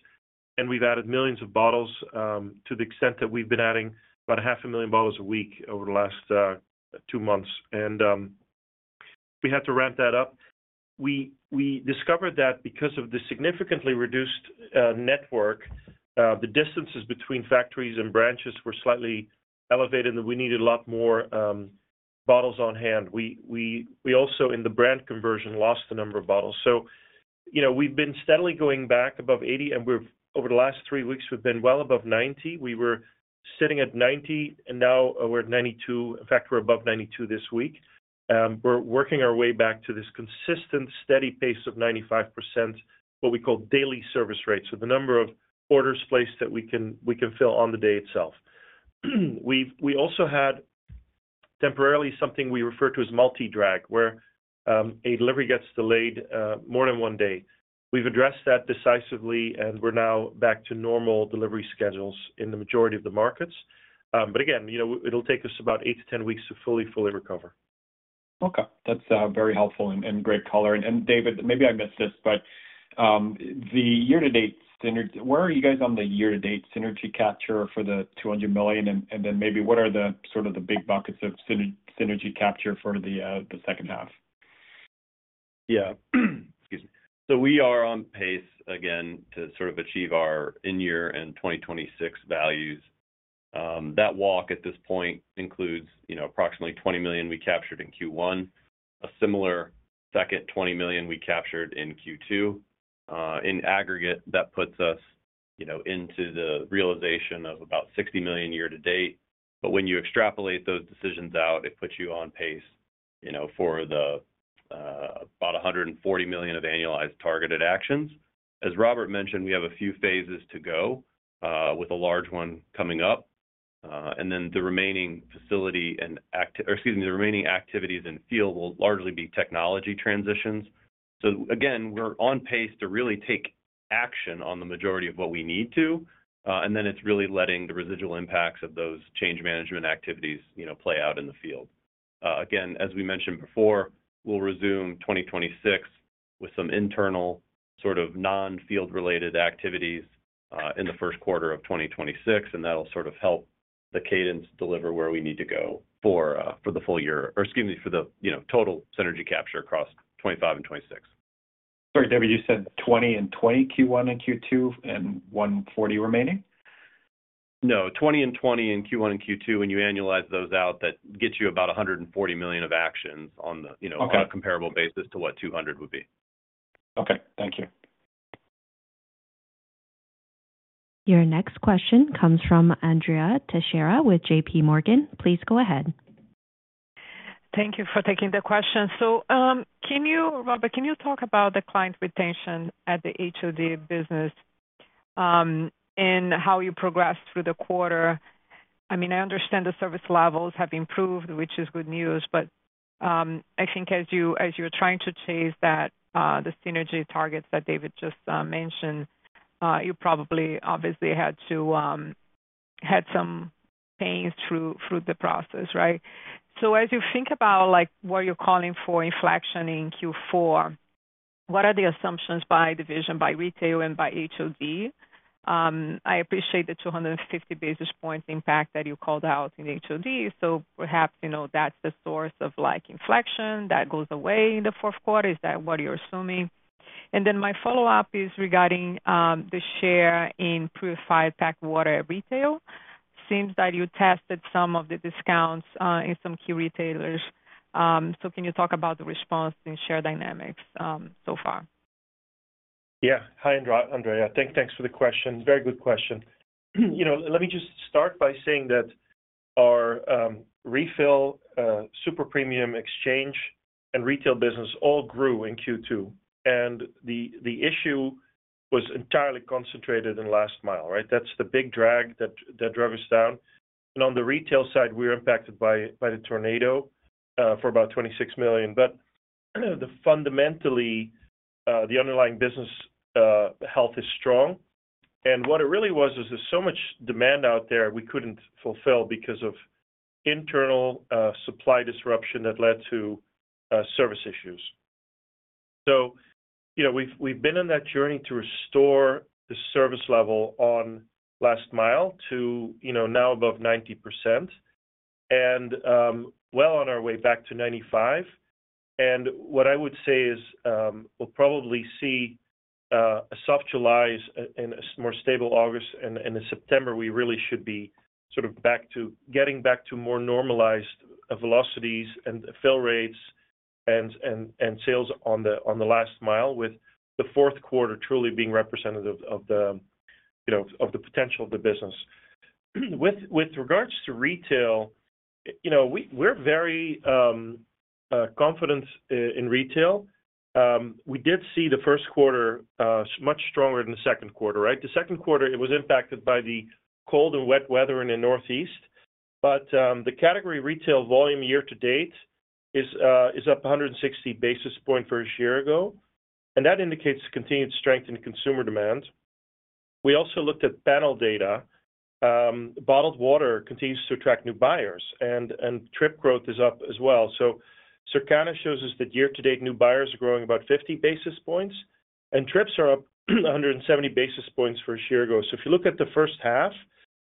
and we've added millions of bottles to the extent that we've been adding about half a million bottles a week over the last two months. We had to ramp that up. We discovered that because of the significantly reduced network, the distances between factories and branches were slightly elevated and that we needed a lot more bottles on hand. We also, in the brand conversion, lost a number of bottles. We've been steadily going back above 80%, and over the last three weeks, we've been well above 90%. We were sitting at 90%, and now we're at 92%. In fact, we're above 92% this week. We're working our way back to this consistent, steady pace of 95%, what we call daily service rate, so the number of orders placed that we can fill on the day itself. We also had temporarily something we refer to as multi-drag, where a delivery gets delayed more than one day. We've addressed that decisively, and we're now back to normal delivery schedules in the majority of the markets. Again, it will take us about eight to 10 weeks to fully, fully recover. Okay, that's very helpful and great caller. David, maybe I missed this, but the year-to-date synergy, where are you guys on the year-to-date synergy capture for the $200 million? What are the sort of the big buckets of synergy capture for the second half? Excuse me. We are on pace again to sort of achieve our in-year and 2026 values. That walk at this point includes approximately $20 million we captured in Q1, a similar second $20 million we captured in Q2. In aggregate, that puts us into the realization of about $60 million year-to-date. When you extrapolate those decisions out, it puts you on pace for the about $140 million of annualized targeted actions. As Robbert mentioned, we have a few phases to go with a large one coming up. The remaining activities in field will largely be technology transitions. We are on pace to really take action on the majority of what we need to. Then it's really letting the residual impacts of those change management activities play out in the field. As we mentioned before, we'll resume 2026 with some internal sort of non-field-related activities in the first quarter of 2026. That'll sort of help the cadence deliver where we need to go for the full year, for the total synergy capture across 2025 and 2026. Sorry, David, you said 20 and 20, Q1 and Q2, and 140 remaining? No, 20 and 20 in Q1 and Q2, when you annualize those out, that gets you about $140 million of actions on the, you know, on a comparable basis to what $200 million would be. Okay, thank you. Your next question comes from Andrea Teixeira with JPMorgan. Please go ahead. Thank you for taking the question. Can you, Robbert, talk about the client retention at the HOD business and how you progressed through the quarter? I understand the service levels have improved, which is good news. I think as you're trying to chase the synergy targets that David just mentioned, you probably obviously had to have some pains through the process, right? As you think about what you're calling for inflection in Q4, what are the assumptions by division, by retail, and by HOD? I appreciate the 250 basis point impact that you called out in the HOD. Perhaps that's the source of inflection that goes away in the fourth quarter. Is that what you're assuming? My follow-up is regarding the share in purified packed water retail. It seems that you tested some of the discounts in some key retailers. Can you talk about the response in share dynamics so far? Yeah, hi, Andrea. Thanks for the question. Very good question. Let me just start by saying that our refill, super premium exchange, and retail business all grew in Q2. The issue was entirely concentrated in the last mile, right? That's the big drag that drove us down. On the retail side, we were impacted by the tornado for about $26 million. Fundamentally, the underlying business health is strong. What it really was, there's so much demand out there we couldn't fulfill because of internal supply disruption that led to service issues. We've been on that journey to restore the service level on last mile to now above 90% and well on our way back to 95%. I would say we'll probably see a soft July and a more stable August and a September. We really should be sort of back to getting back to more normalized velocities and fill rates and sales on the last mile with the fourth quarter truly being representative of the potential of the business. With regards to retail, we're very confident in retail. We did see the first quarter much stronger than the second quarter. The second quarter was impacted by the cold and wet weather in the Northeast. The category retail volume year to date is up 160 basis points versus a year ago. That indicates continued strength in consumer demand. We also looked at panel data. Bottled water continues to attract new buyers, and trip growth is up as well. Circana shows us that year-to-date new buyers are growing about 50 basis points, and trips are up 170 basis points versus a year ago. If you look at the first half,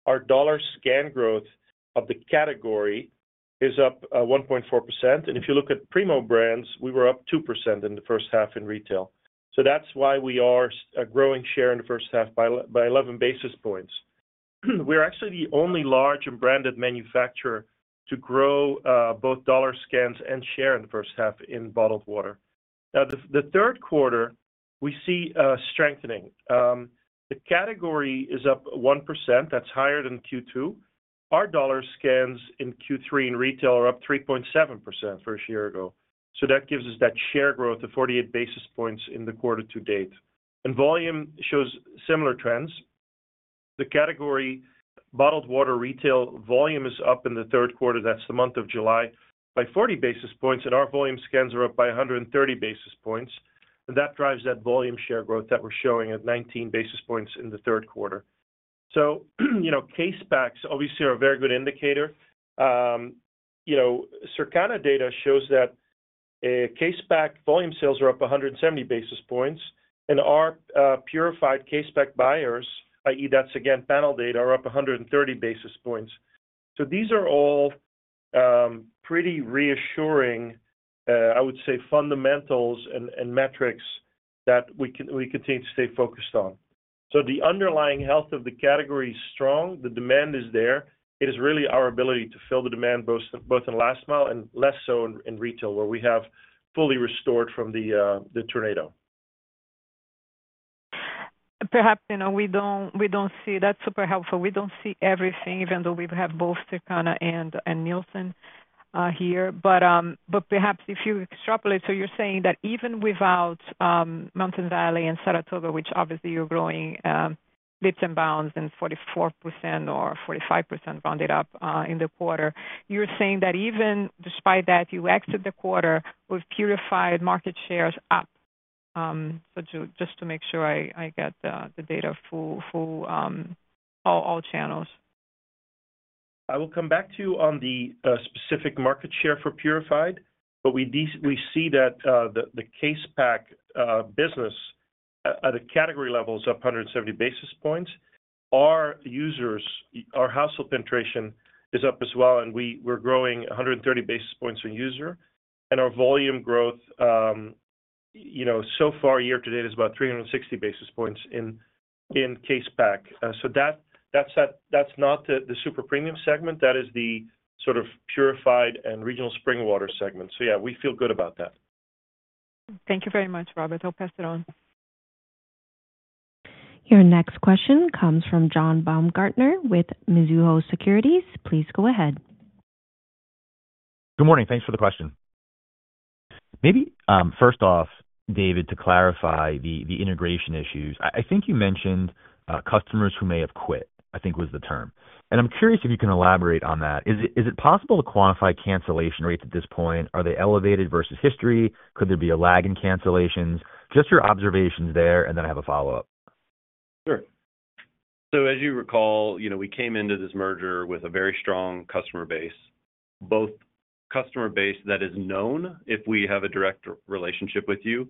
our dollar scan growth of the category is up 1.4%. If you look at Primo Brands, we were up 2% in the first half in retail. That's why we are growing share in the first half by 11 basis points. We're actually the only large and branded manufacturer to grow both dollar scans and share in the first half in bottled water. Now, the third quarter, we see strengthening. The category is up 1%. That's higher than Q2. Our dollar scans in Q3 in retail are up 3.7% versus a year ago. That gives us that share growth of 48 basis points in the quarter to date. Volume shows similar trends. The category bottled water retail volume is up in the third quarter. That's the month of July by 40 basis points, and our volume scans are up by 130 basis points. That drives that volume share growth that we're showing at 19 basis points in the third quarter. Case packs obviously are a very good indicator. Circana data shows that case pack volume sales are up 170 basis points, and our purified case pack buyers, i.e., that's again panel data, are up 130 basis points. These are all pretty reassuring, I would say, fundamentals and metrics that we continue to stay focused on. The underlying health of the category is strong. The demand is there. It is really our ability to fill the demand both in last mile and less so in retail, where we have fully restored from the tornado. That's super helpful. We don't see everything, even though we have both Circana and Nielsen here. Perhaps if you extrapolate, you're saying that even without Mountain Valley and Saratoga, which obviously you're growing leaps and bounds and 44% or 45% rounded up in the quarter, you're saying that even despite that, you exit the quarter with purified market shares up. Just to make sure I get the data for all channels. I will come back to you on the specific market share for purified, but we see that the case pack business at the category level is up 170 basis points. Our users, our household penetration is up as well, and we're growing 130 basis points per user. Our volume growth, you know, so far year to date is about 360 basis points in case pack. That's not the super premium segment. That is the sort of purified and regional spring water segment. We feel good about that. Thank you very much, Robbert. I'll pass it on. Your next question comes from John Baumgartner with Mizuho Securities. Please go ahead. Good morning. Thanks for the question. Maybe first off, David, to clarify the integration issues, I think you mentioned customers who may have quit, I think was the term. I'm curious if you can elaborate on that. Is it possible to quantify cancellation rates at this point? Are they elevated versus history? Could there be a lag in cancellations? Just your observations there, and then I have a follow-up. Sure. As you recall, we came into this merger with a very strong customer base, both customer base that is known if we have a direct relationship with you,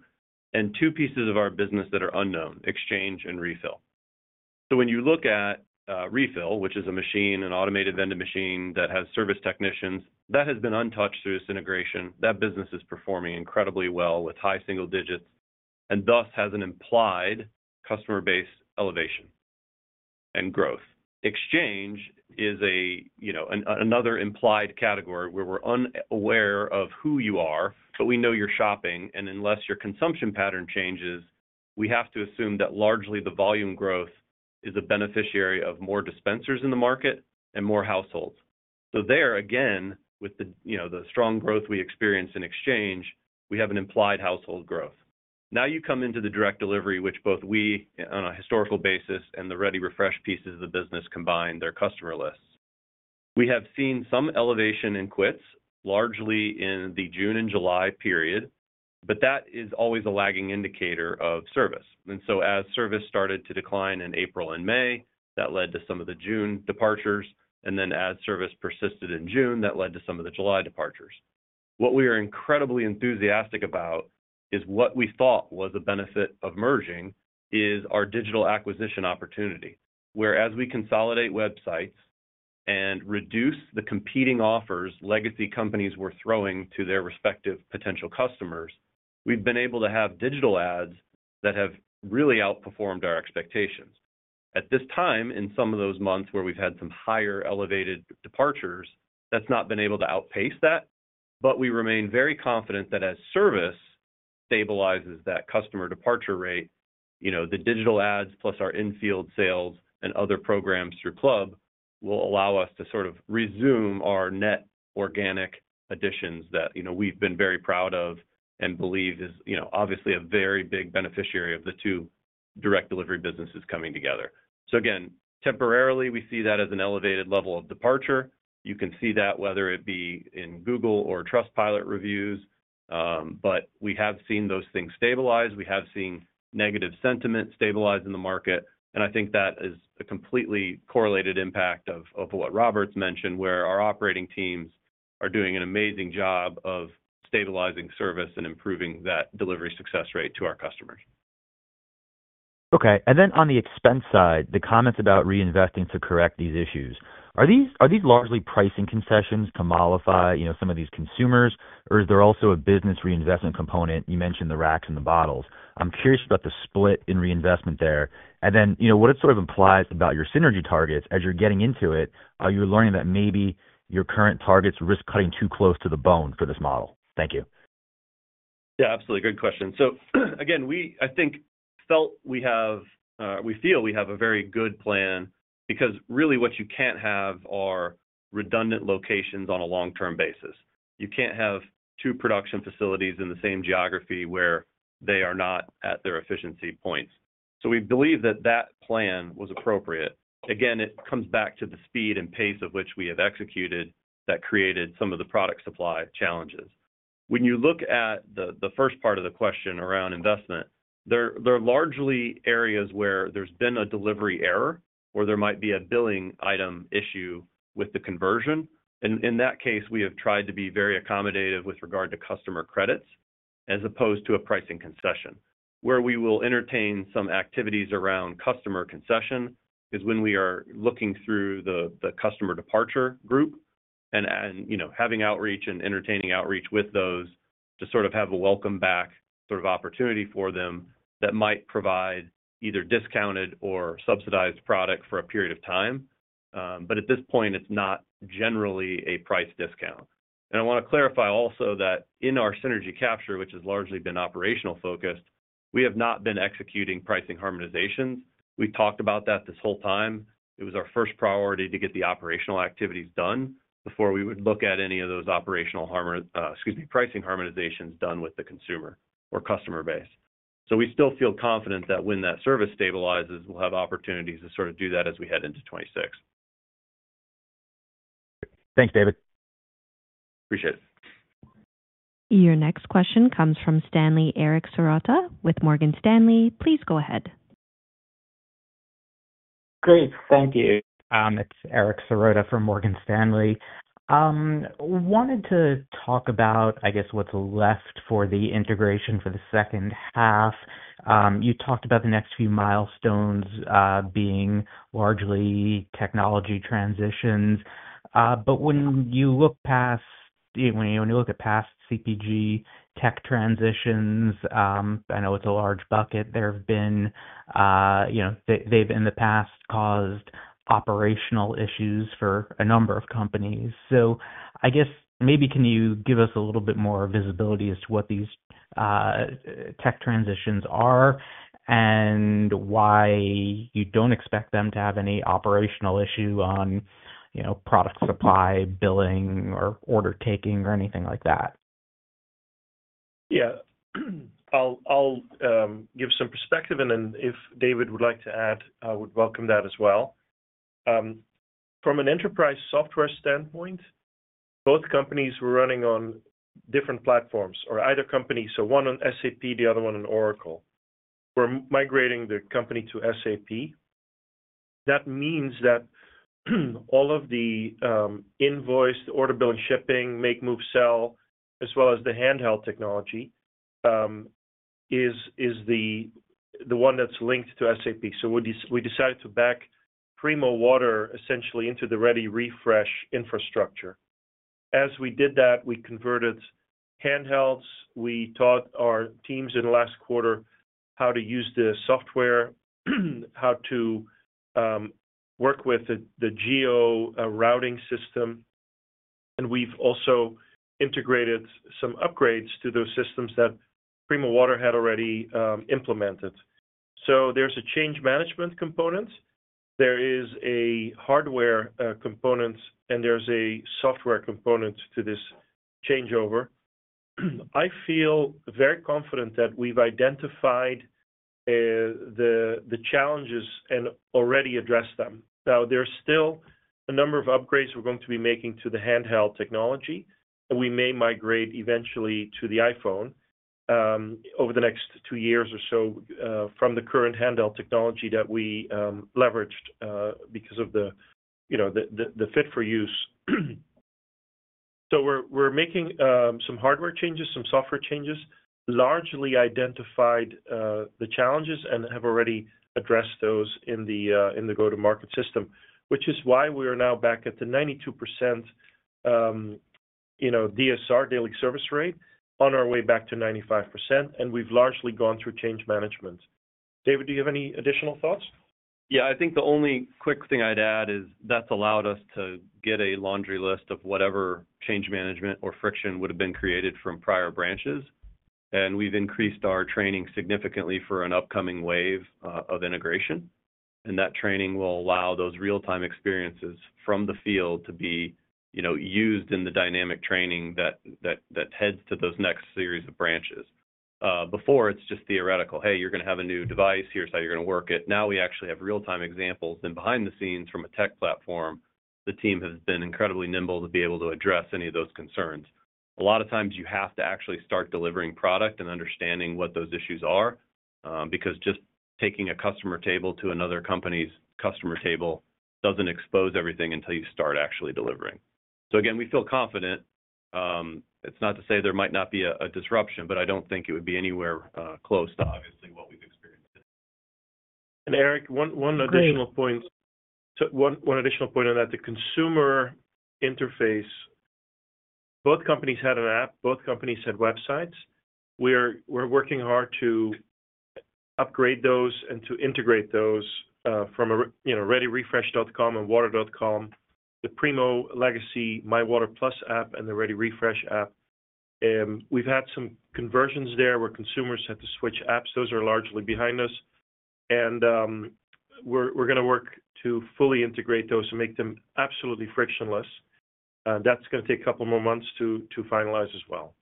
and two pieces of our business that are unknown, exchange and refill. When you look at refill, which is a machine, an automated vending machine that has service technicians, that has been untouched through this integration. That business is performing incredibly well with high single digits, and thus has an implied customer base elevation and growth. Exchange is another implied category where we're unaware of who you are, but we know you're shopping, and unless your consumption pattern changes, we have to assume that largely the volume growth is a beneficiary of more dispensers in the market and more households. There again, with the strong growth we experience in exchange, we have an implied household growth. Now you come into the direct delivery, which both we on a historical basis and the ReadyRefresh pieces of the business combined, their customer lists. We have seen some elevation in quits, largely in the June and July period, but that is always a lagging indicator of service. As service started to decline in April and May, that led to some of the June departures, and as service persisted in June, that led to some of the July departures. What we are incredibly enthusiastic about is what we thought was a benefit of merging is our digital acquisition opportunity, where as we consolidate websites and reduce the competing offers legacy companies were throwing to their respective potential customers, we've been able to have digital ads that have really outperformed our expectations. At this time, in some of those months where we've had some higher elevated departures, that's not been able to outpace that, but we remain very confident that as service stabilizes that customer departure rate, the digital ads plus our infield sales and other programs through Club will allow us to sort of resume our net organic additions that we've been very proud of and believe is obviously a very big beneficiary of the two direct delivery businesses coming together. Again, temporarily, we see that as an elevated level of departure. You can see that whether it be in Google or Trustpilot reviews, but we have seen those things stabilize. We have seen negative sentiment stabilize in the market, and I think that is a completely correlated impact of what Robbert's mentioned, where our operating teams are doing an amazing job of stabilizing service and improving that delivery success rate to our customers. Okay, on the expense side, the comments about reinvesting to correct these issues, are these largely pricing concessions to mollify some of these consumers, or is there also a business reinvestment component? You mentioned the racks and the bottles. I'm curious about the split in reinvestment there. What does it imply about your synergy targets as you're getting into it? Are you learning that maybe your current targets risk cutting too close to the bone for this model? Thank you. Yeah, absolutely. Good question. We feel we have a very good plan because really what you can't have are redundant locations on a long-term basis. You can't have two production facilities in the same geography where they are not at their efficiency points. We believe that that plan was appropriate. It comes back to the speed and pace of which we have executed that created some of the product supply challenges. When you look at the first part of the question around investment, there are largely areas where there's been a delivery error or there might be a billing item issue with the conversion. In that case, we have tried to be very accommodative with regard to customer credits as opposed to a pricing concession. Where we will entertain some activities around customer concession is when we are looking through the customer departure group and, you know, having outreach and entertaining outreach with those to sort of have a welcome back sort of opportunity for them that might provide either discounted or subsidized product for a period of time. At this point, it's not generally a price discount. I want to clarify also that in our synergy capture, which has largely been operational focused, we have not been executing pricing harmonizations. We talked about that this whole time. It was our first priority to get the operational activities done before we would look at any of those pricing harmonizations done with the consumer or customer base. We still feel confident that when that service stabilizes, we'll have opportunities to sort of do that as we head into 2026. Thanks, David. Appreciate it. Your next question comes from Stanley Eric Serotta with Morgan Stanley. Please go ahead. Great, thank you. It's Eric Serotta for Morgan Stanley. I wanted to talk about, I guess, what's left for the integration for the second half. You talked about the next few milestones being largely technology transitions. When you look at past CPG tech transitions, I know it's a large bucket. They have been, in the past, caused operational issues for a number of companies. Can you give us a little bit more visibility as to what these tech transitions are and why you don't expect them to have any operational issue on product supply, billing, or order taking, or anything like that? I'll give some perspective. If David would like to add, I would welcome that as well. From an enterprise software standpoint, both companies were running on different platforms, so one on SAP, the other one on Oracle. We're migrating the company to SAP. That means that all of the invoice, the order, billing, shipping, make, move, sell, as well as the handheld technology, is the one that's linked to SAP. We decided to back Primo Water essentially into the ReadyRefresh infrastructure. As we did that, we converted handhelds. We taught our teams in the last quarter how to use the software, how to work with the geo-routing system. We've also integrated some upgrades to those systems that Primo Water had already implemented. There's a change management component, a hardware component, and a software component to this changeover. I feel very confident that we've identified the challenges and already addressed them. There's still a number of upgrades we're going to be making to the handheld technology, and we may migrate eventually to the iPhone over the next two years or so from the current handheld technology that we leveraged because of the fit for use. We're making some hardware changes, some software changes, largely identified the challenges and have already addressed those in the go-to-market system, which is why we are now back at the 92% DSR, daily service rate, on our way back to 95%. We've largely gone through change management. David, do you have any additional thoughts? Yeah, I think the only quick thing I'd add is that's allowed us to get a laundry list of whatever change management or friction would have been created from prior branches. We've increased our training significantly for an upcoming wave of integration. That training will allow those real-time experiences from the field to be used in the dynamic training that heads to those next series of branches. Before, it's just theoretical. Hey, you're going to have a new device. Here's how you're going to work it. Now we actually have real-time examples. Behind the scenes from a tech platform, the team has been incredibly nimble to be able to address any of those concerns. A lot of times you have to actually start delivering product and understanding what those issues are, because just taking a customer table to another company's customer table doesn't expose everything until you start actually delivering. We feel confident. It's not to say there might not be a disruption, but I don't think it would be anywhere close to obviously [what we've experienced]. Eric, one additional point on that. The consumer interface, both companies had an app, both companies had websites. We are working hard to upgrade those and to integrate those, from a, you know, readyrefresh.com and water.com, the Primo Legacy MyWater Plus app and the ReadyRefresh app. We've had some conversions there where consumers had to switch apps. Those are largely behind us. We're going to work to fully integrate those and make them absolutely frictionless. That's going to take a couple more months to finalize as well.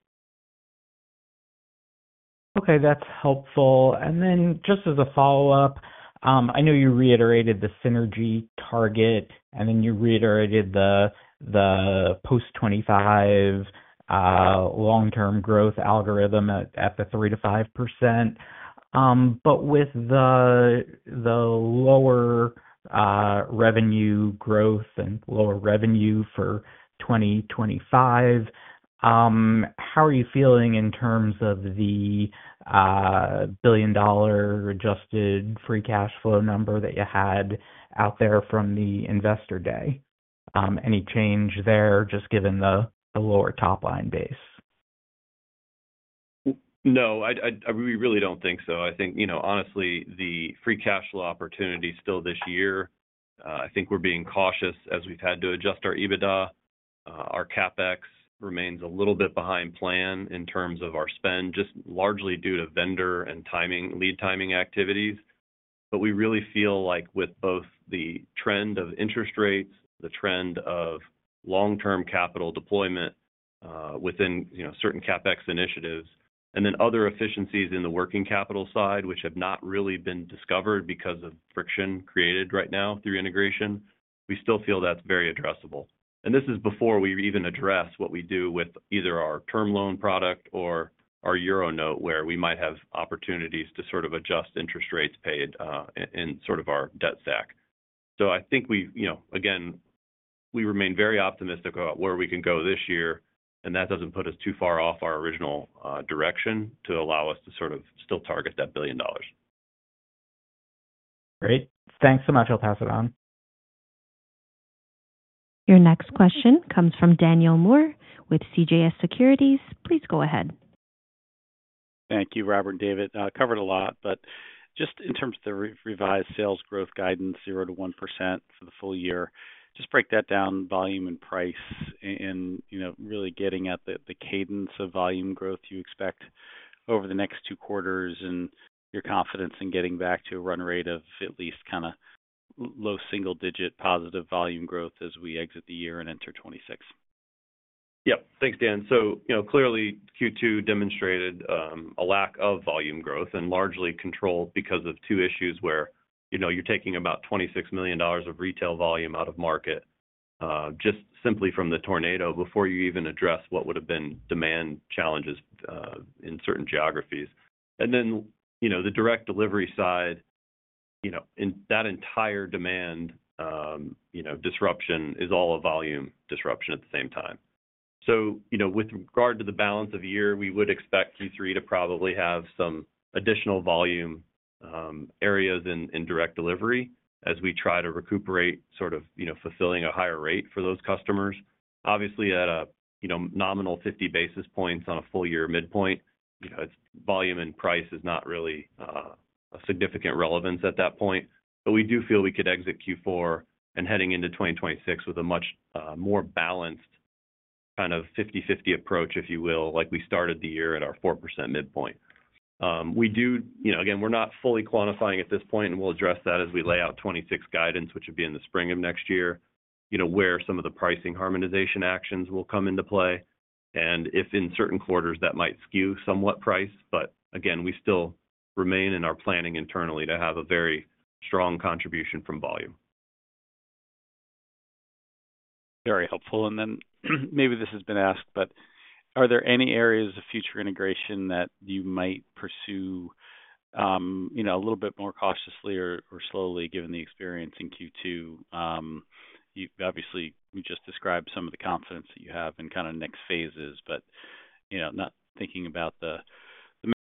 Okay, that's helpful. Just as a follow-up, I know you reiterated the synergy target, and you reiterated the post-2025 long-term growth algorithm at the 3%-5%. With the lower revenue growth and lower revenue for 2025, how are you feeling in terms of the billion-dollar adjusted free cash flow number that you had out there from the investor day? Any change there just given the lower top line base? No, we really don't think so. Honestly, the free cash flow opportunity still this year, we're being cautious as we've had to adjust our EBITDA. Our CapEx remains a little bit behind plan in terms of our spend, just largely due to vendor and timing, lead timing activities. We really feel like with both the trend of interest rates, the trend of long-term capital deployment within certain CapEx initiatives, and then other efficiencies in the working capital side, which have not really been discovered because of friction created right now through integration, we still feel that's very addressable. This is before we even address what we do with either our term loan product or our Euro note, where we might have opportunities to adjust interest rates paid in our debt stack. We remain very optimistic about where we can go this year. That doesn't put us too far off our original direction to allow us to still target that billion dollars. Great. Thanks so much. I'll pass it on. Your next question comes from Daniel Moore with CJS Securities. Please go ahead. Thank you, Robbert, David. Covered a lot, but just in terms of the revised sales growth guidance, 0%-1% for the full year, just break that down, volume and price, and really getting at the cadence of volume growth you expect over the next two quarters and your confidence in getting back to a run rate of at least kind of low single-digit positive volume growth as we exit the year and enter 2026. Yep, thanks, Dan. Clearly, Q2 demonstrated a lack of volume growth and largely controlled because of two issues where you're taking about $26 million of retail volume out of market, just simply from the tornado before you even address what would have been demand challenges in certain geographies. The direct delivery side, in that entire demand disruption, is all a volume disruption at the same time. With regard to the balance of the year, we would expect Q3 to probably have some additional volume areas in direct delivery as we try to recuperate sort of fulfilling a higher rate for those customers. Obviously, at a nominal 50 basis points on a full year midpoint, volume and price is not really a significant relevance at that point. We do feel we could exit Q4 and head into 2026 with a much more balanced kind of 50/50 approach, if you will, like we started the year at our 4% midpoint. We do, again, we're not fully quantifying at this point, and we'll address that as we lay out 2026 guidance, which would be in the spring of next year, where some of the pricing harmonization actions will come into play. If in certain quarters that might skew somewhat price, again, we still remain in our planning internally to have a very strong contribution from volume. Very helpful. Maybe this has been asked, but are there any areas of future integration that you might pursue a little bit more cautiously or slowly given the experience in Q2? You obviously just described some of the confidence that you have in kind of next phases, but not thinking about the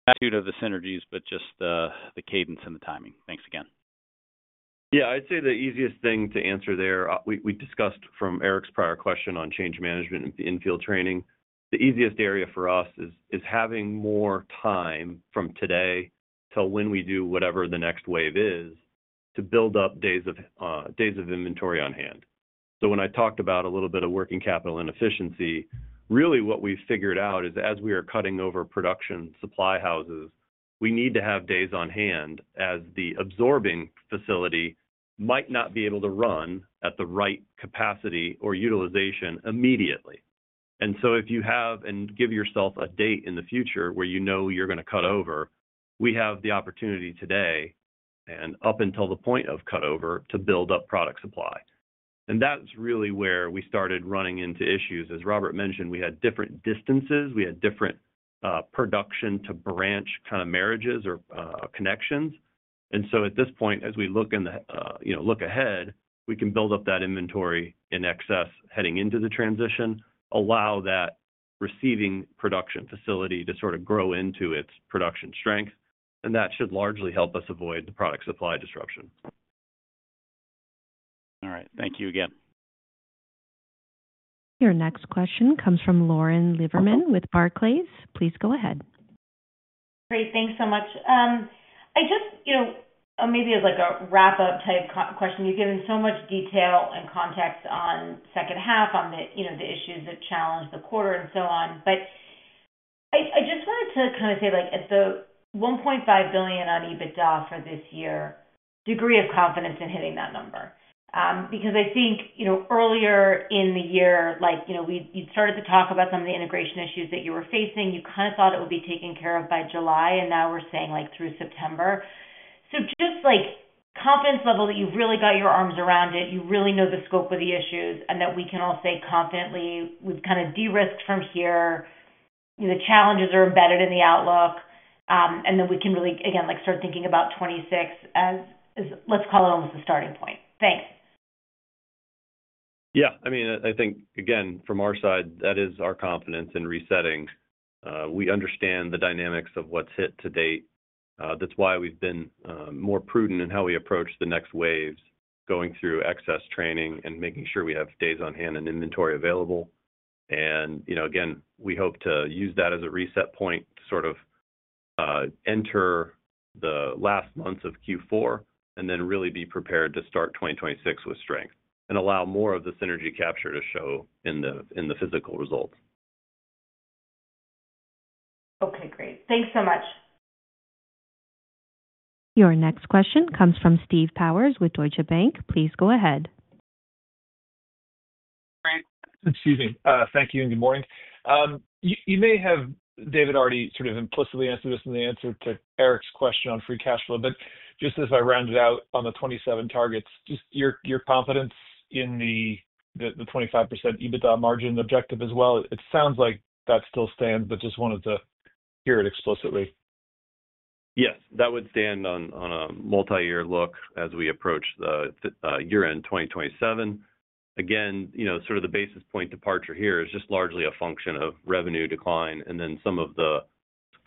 magnitude of the synergies, just the cadence and the timing. Thanks again. Yeah, I'd say the easiest thing to answer there, we discussed from Eric's prior question on change management and the infield training. The easiest area for us is having more time from today till when we do whatever the next wave is to build up days of inventory on hand. When I talked about a little bit of working capital inefficiency, really what we figured out is that as we are cutting over production supply houses, we need to have days on hand as the absorbing facility might not be able to run at the right capacity or utilization immediately. If you have and give yourself a date in the future where you know you're going to cut over, we have the opportunity today and up until the point of cut over to build up product supply. That's really where we started running into issues. As Robbert mentioned, we had different distances. We had different production to branch kind of marriages or connections. At this point, as we look ahead, we can build up that inventory in excess heading into the transition, allow that receiving production facility to sort of grow into its production strength. That should largely help us avoid the product supply disruption. All right, thank you again. Your next question comes from Lauren Lieberman with Barclays. Please go ahead. Great, thanks so much. Maybe as like a wrap-up type question, you've given so much detail and context on the second half, on the issues that challenge the quarter and so on. I just wanted to kind of say, at the $1.5 billion on EBITDA for this year, degree of confidence in hitting that number. I think earlier in the year, we'd started to talk about some of the integration issues that you were facing. You kind of thought it would be taken care of by July, and now we're saying through September. Just confidence level that you've really got your arms around it, you really know the scope of the issues and that we can all say confidently, we've kind of de-risked from here. The challenges are embedded in the outlook, and then we can really, again, start thinking about 2026, as let's call it almost a starting point. Thanks. Yeah, I mean, I think, again, from our side, that is our confidence in resetting. We understand the dynamics of what's hit to date. That's why we've been more prudent in how we approach the next waves, going through excess training and making sure we have days on hand and inventory available. You know, again, we hope to use that as a reset point to sort of enter the last months of Q4 and then really be prepared to start 2026 with strength and allow more of the synergy capture to show in the physical results. Okay, great. Thanks so much. Your next question comes from Steve Powers with Deutsche Bank. Please go ahead. Excuse me. Thank you and good morning. You may have, David, already sort of implicitly answered this in the answer to Eric's question on free cash flow, but just as I rounded out on the 27 targets, just your confidence in the 25% EBITDA margin objective as well, it sounds like that still stands, but just wanted to hear it explicitly. Yes, that would stand on a multi-year look as we approach the year-end 2027. Again, the basis point departure here is just largely a function of revenue decline and then some of the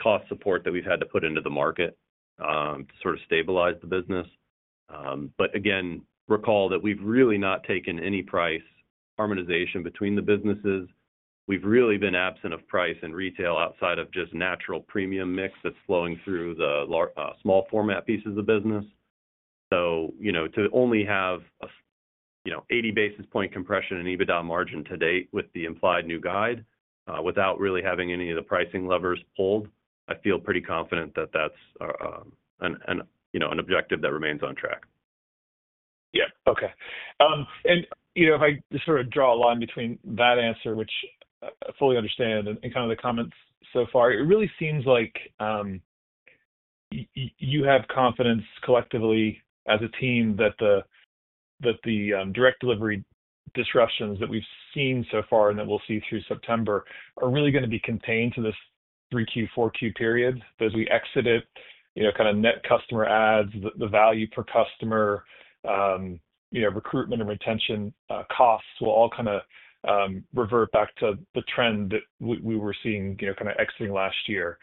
cost support that we've had to put into the market to sort of stabilize the business. Again, recall that we've really not taken any price harmonization between the businesses. We've really been absent of price and retail outside of just natural premium mix that's flowing through the small format pieces of the business. To only have an 80 basis point compression in EBITDA margin to date with the implied new guide, without really having any of the pricing levers pulled, I feel pretty confident that that's an objective that remains on track. Yeah, okay. If I just sort of draw a line between that answer, which I fully understand, and the comments so far, it really seems like you have confidence collectively as a team that the direct delivery disruptions that we've seen so far and that we'll see through September are really going to be contained to this 3Q, 4Q period. As we exit it, net customer adds, the value per customer, recruitment and retention costs will all revert back to the trend that we were seeing exiting last year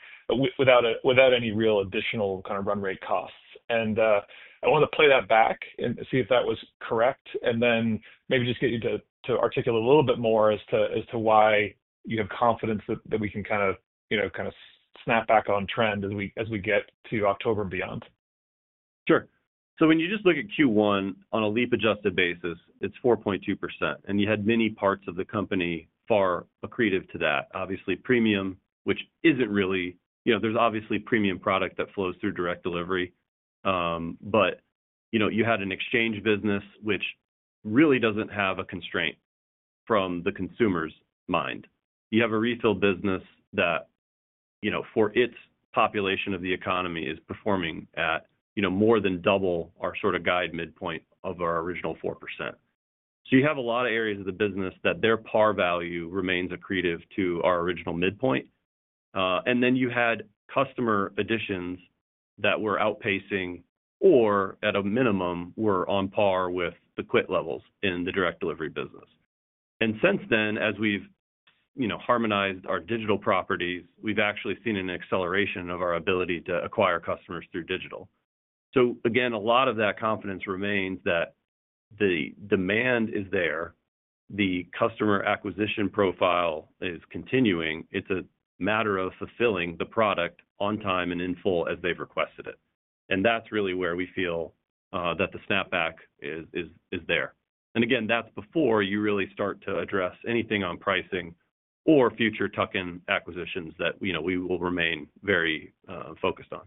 without any real additional run rate costs. I wanted to play that back and see if that was correct and then maybe just get you to articulate a little bit more as to why you have confidence that we can snap back on trend as we get to October and beyond. Sure. When you just look at Q1 on a leap adjusted basis, it's 4.2%. You had many parts of the company far accretive to that. Obviously, premium, which isn't really, you know, there's obviously premium product that flows through direct delivery, but you had an exchange business, which really doesn't have a constraint from the consumer's mind. You have a refill business that, for its population of the economy, is performing at more than double our sort of guide midpoint of our original 4%. You have a lot of areas of the business that their par value remains accretive to our original midpoint. You had customer additions that were outpacing or at a minimum were on par with the [quit] levels in the direct delivery business. Since then, as we've harmonized our digital properties, we've actually seen an acceleration of our ability to acquire customers through digital. A lot of that confidence remains that the demand is there. The customer acquisition profile is continuing. It's a matter of fulfilling the product on time and in full as they've requested it. That's really where we feel the snapback is there. That's before you really start to address anything on pricing or future tuck-in acquisitions that we will remain very focused on.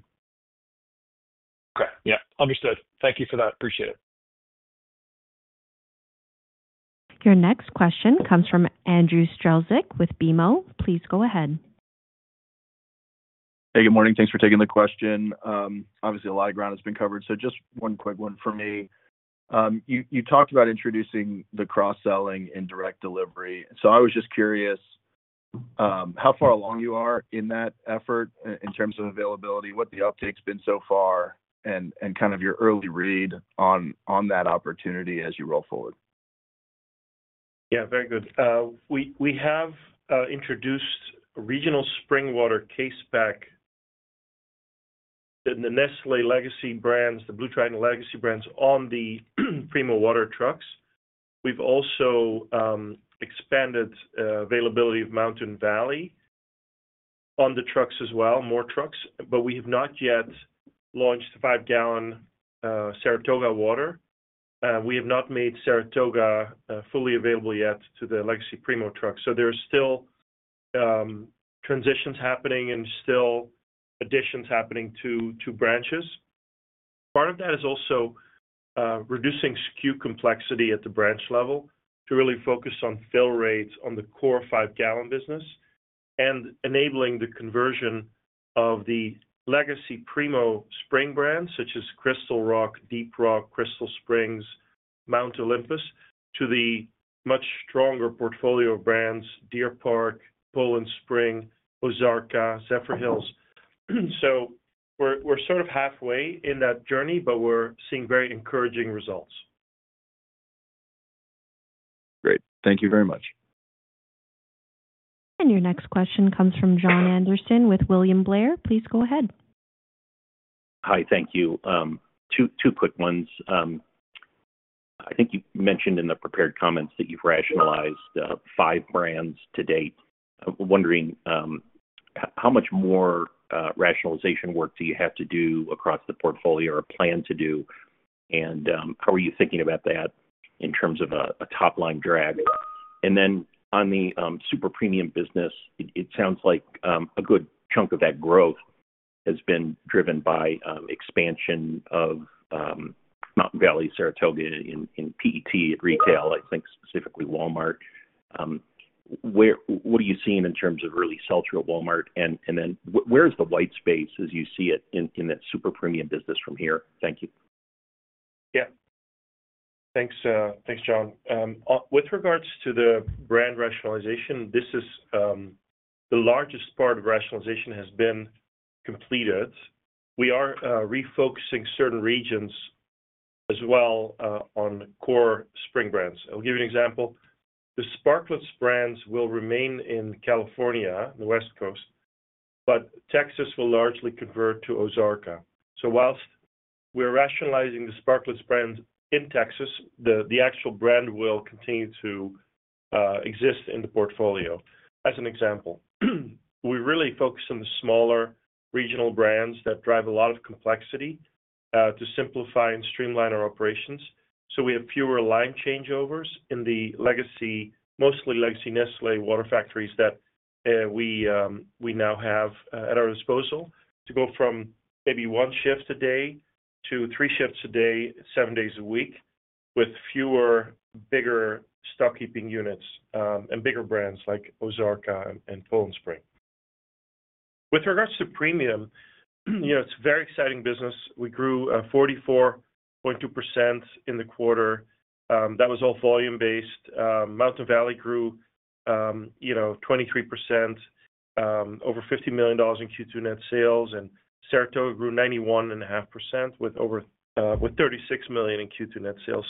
Okay. Yeah, understood. Thank you for that. Appreciate it. Your next question comes from Andrew Strelzik with BMO. Please go ahead. Hey, good morning. Thanks for taking the question. Obviously, a lot of ground has been covered. Just one quick one from me. You talked about introducing the cross-selling in direct delivery. I was just curious how far along you are in that effort in terms of availability, what the uptake's been so far, and your early read on that opportunity as you roll forward. Yeah, very good. We have introduced a regional spring water case back in the Nestlé legacy brands, the BlueTriton legacy brands on the Primo Water trucks. We've also expanded availability of Mountain Valley on the trucks as well, more trucks, but we have not yet launched the 5 gal Saratoga water. We have not made Saratoga fully available yet to the legacy Primo trucks. There's still transitions happening and still additions happening to two branches. Part of that is also reducing SKU complexity at the branch level to really focus on fill rates on the core five-gallon business and enabling the conversion of the legacy Primo spring brands, such as Crystal Rock, Deep Rock, Crystal Springs, Mount Olympus, to the much stronger portfolio of brands: Deer Park, Poland Spring, Ozarka, Zephyrhills. We're sort of halfway in that journey, but we're seeing very encouraging results. Great. Thank you very much. Your next question comes from Jon Andersen with William Blair. Please go ahead. Hi, thank you. Two quick ones. I think you mentioned in the prepared comments that you've rationalized five brands to date. I'm wondering how much more rationalization work do you have to do across the portfolio or plan to do? How are you thinking about that in terms of a top-line drag? On the super premium business, it sounds like a good chunk of that growth has been driven by expansion of Mountain Valley, Saratoga in PET at retail, I think specifically Walmart. What are you seeing in terms of really sell through at Walmart? Where's the white space as you see it in that super premium business from here? Thank you. Yeah. Thanks, thanks, Jon. With regards to the brand rationalization, the largest part of rationalization has been completed. We are refocusing certain regions as well on core spring brands. I'll give you an example. The Sparkletts brands will remain in California, in the West Coast, but Texas will largely convert to Ozarka. Whilst we're rationalizing the Sparkletts brands in Texas, the actual brand will continue to exist in the portfolio. As an example, we really focus on the smaller regional brands that drive a lot of complexity to simplify and streamline our operations. We have fewer line changeovers in the legacy, mostly legacy Nestlé water factories that we now have at our disposal to go from maybe one shift a day to three shifts a day, seven days a week, with fewer, bigger stock keeping units, and bigger brands like Ozarka and Poland Spring. With regards to premium, it's a very exciting business. We grew 44.2% in the quarter. That was all volume-based. Mountain Valley grew 23%, over $50 million in Q2 net sales, and Saratoga grew 91.5% with $36 million in Q2 net sales.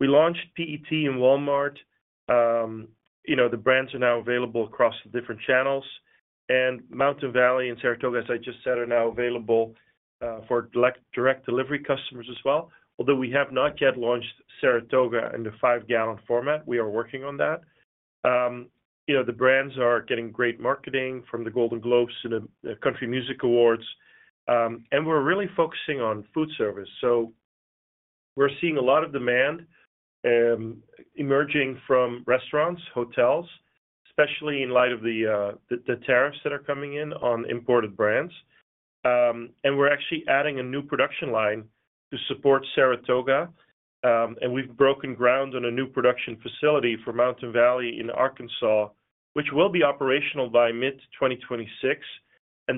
We launched PET in Walmart. The brands are now available across the different channels. Mountain Valley and Saratoga, as I just said, are now available for direct delivery customers as well. Although we have not yet launched Saratoga in the 5 gal format, we are working on that. The brands are getting great marketing from the Golden Globes Country Music Awards. We're really focusing on food service. We're seeing a lot of demand emerging from restaurants, hotels, especially in light of the tariffs that are coming in on imported brands. We're actually adding a new production line to support Saratoga. We've broken ground on a new production facility for Mountain Valley in Arkansas, which will be operational by mid-2026.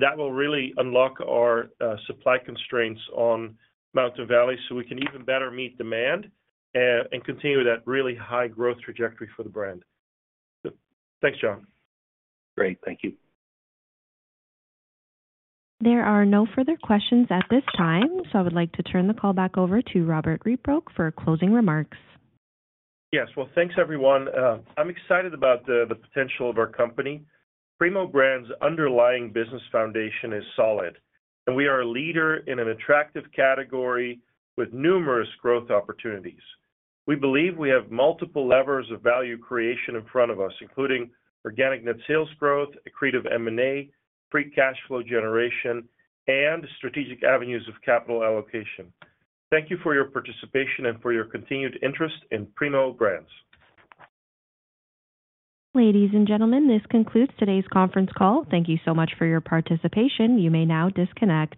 That will really unlock our supply constraints on Mountain Valley so we can even better meet demand and continue that really high growth trajectory for the brand. Thanks, Jon. Great, thank you. There are no further questions at this time, so I would like to turn the call back over to Robbert Rietbroek for closing remarks. Well, thanks, everyone. I'm excited about the potential of our company. Primo Brands' underlying business foundation is solid, and we are a leader in an attractive category with numerous growth opportunities. We believe we have multiple levers of value creation in front of us, including organic net sales growth, accretive M&A, free cash flow generation, and strategic avenues of capital allocation. Thank you for your participation and for your continued interest in Primo Brands. Ladies and gentlemen, this concludes today's conference call. Thank you so much for your participation. You may now disconnect.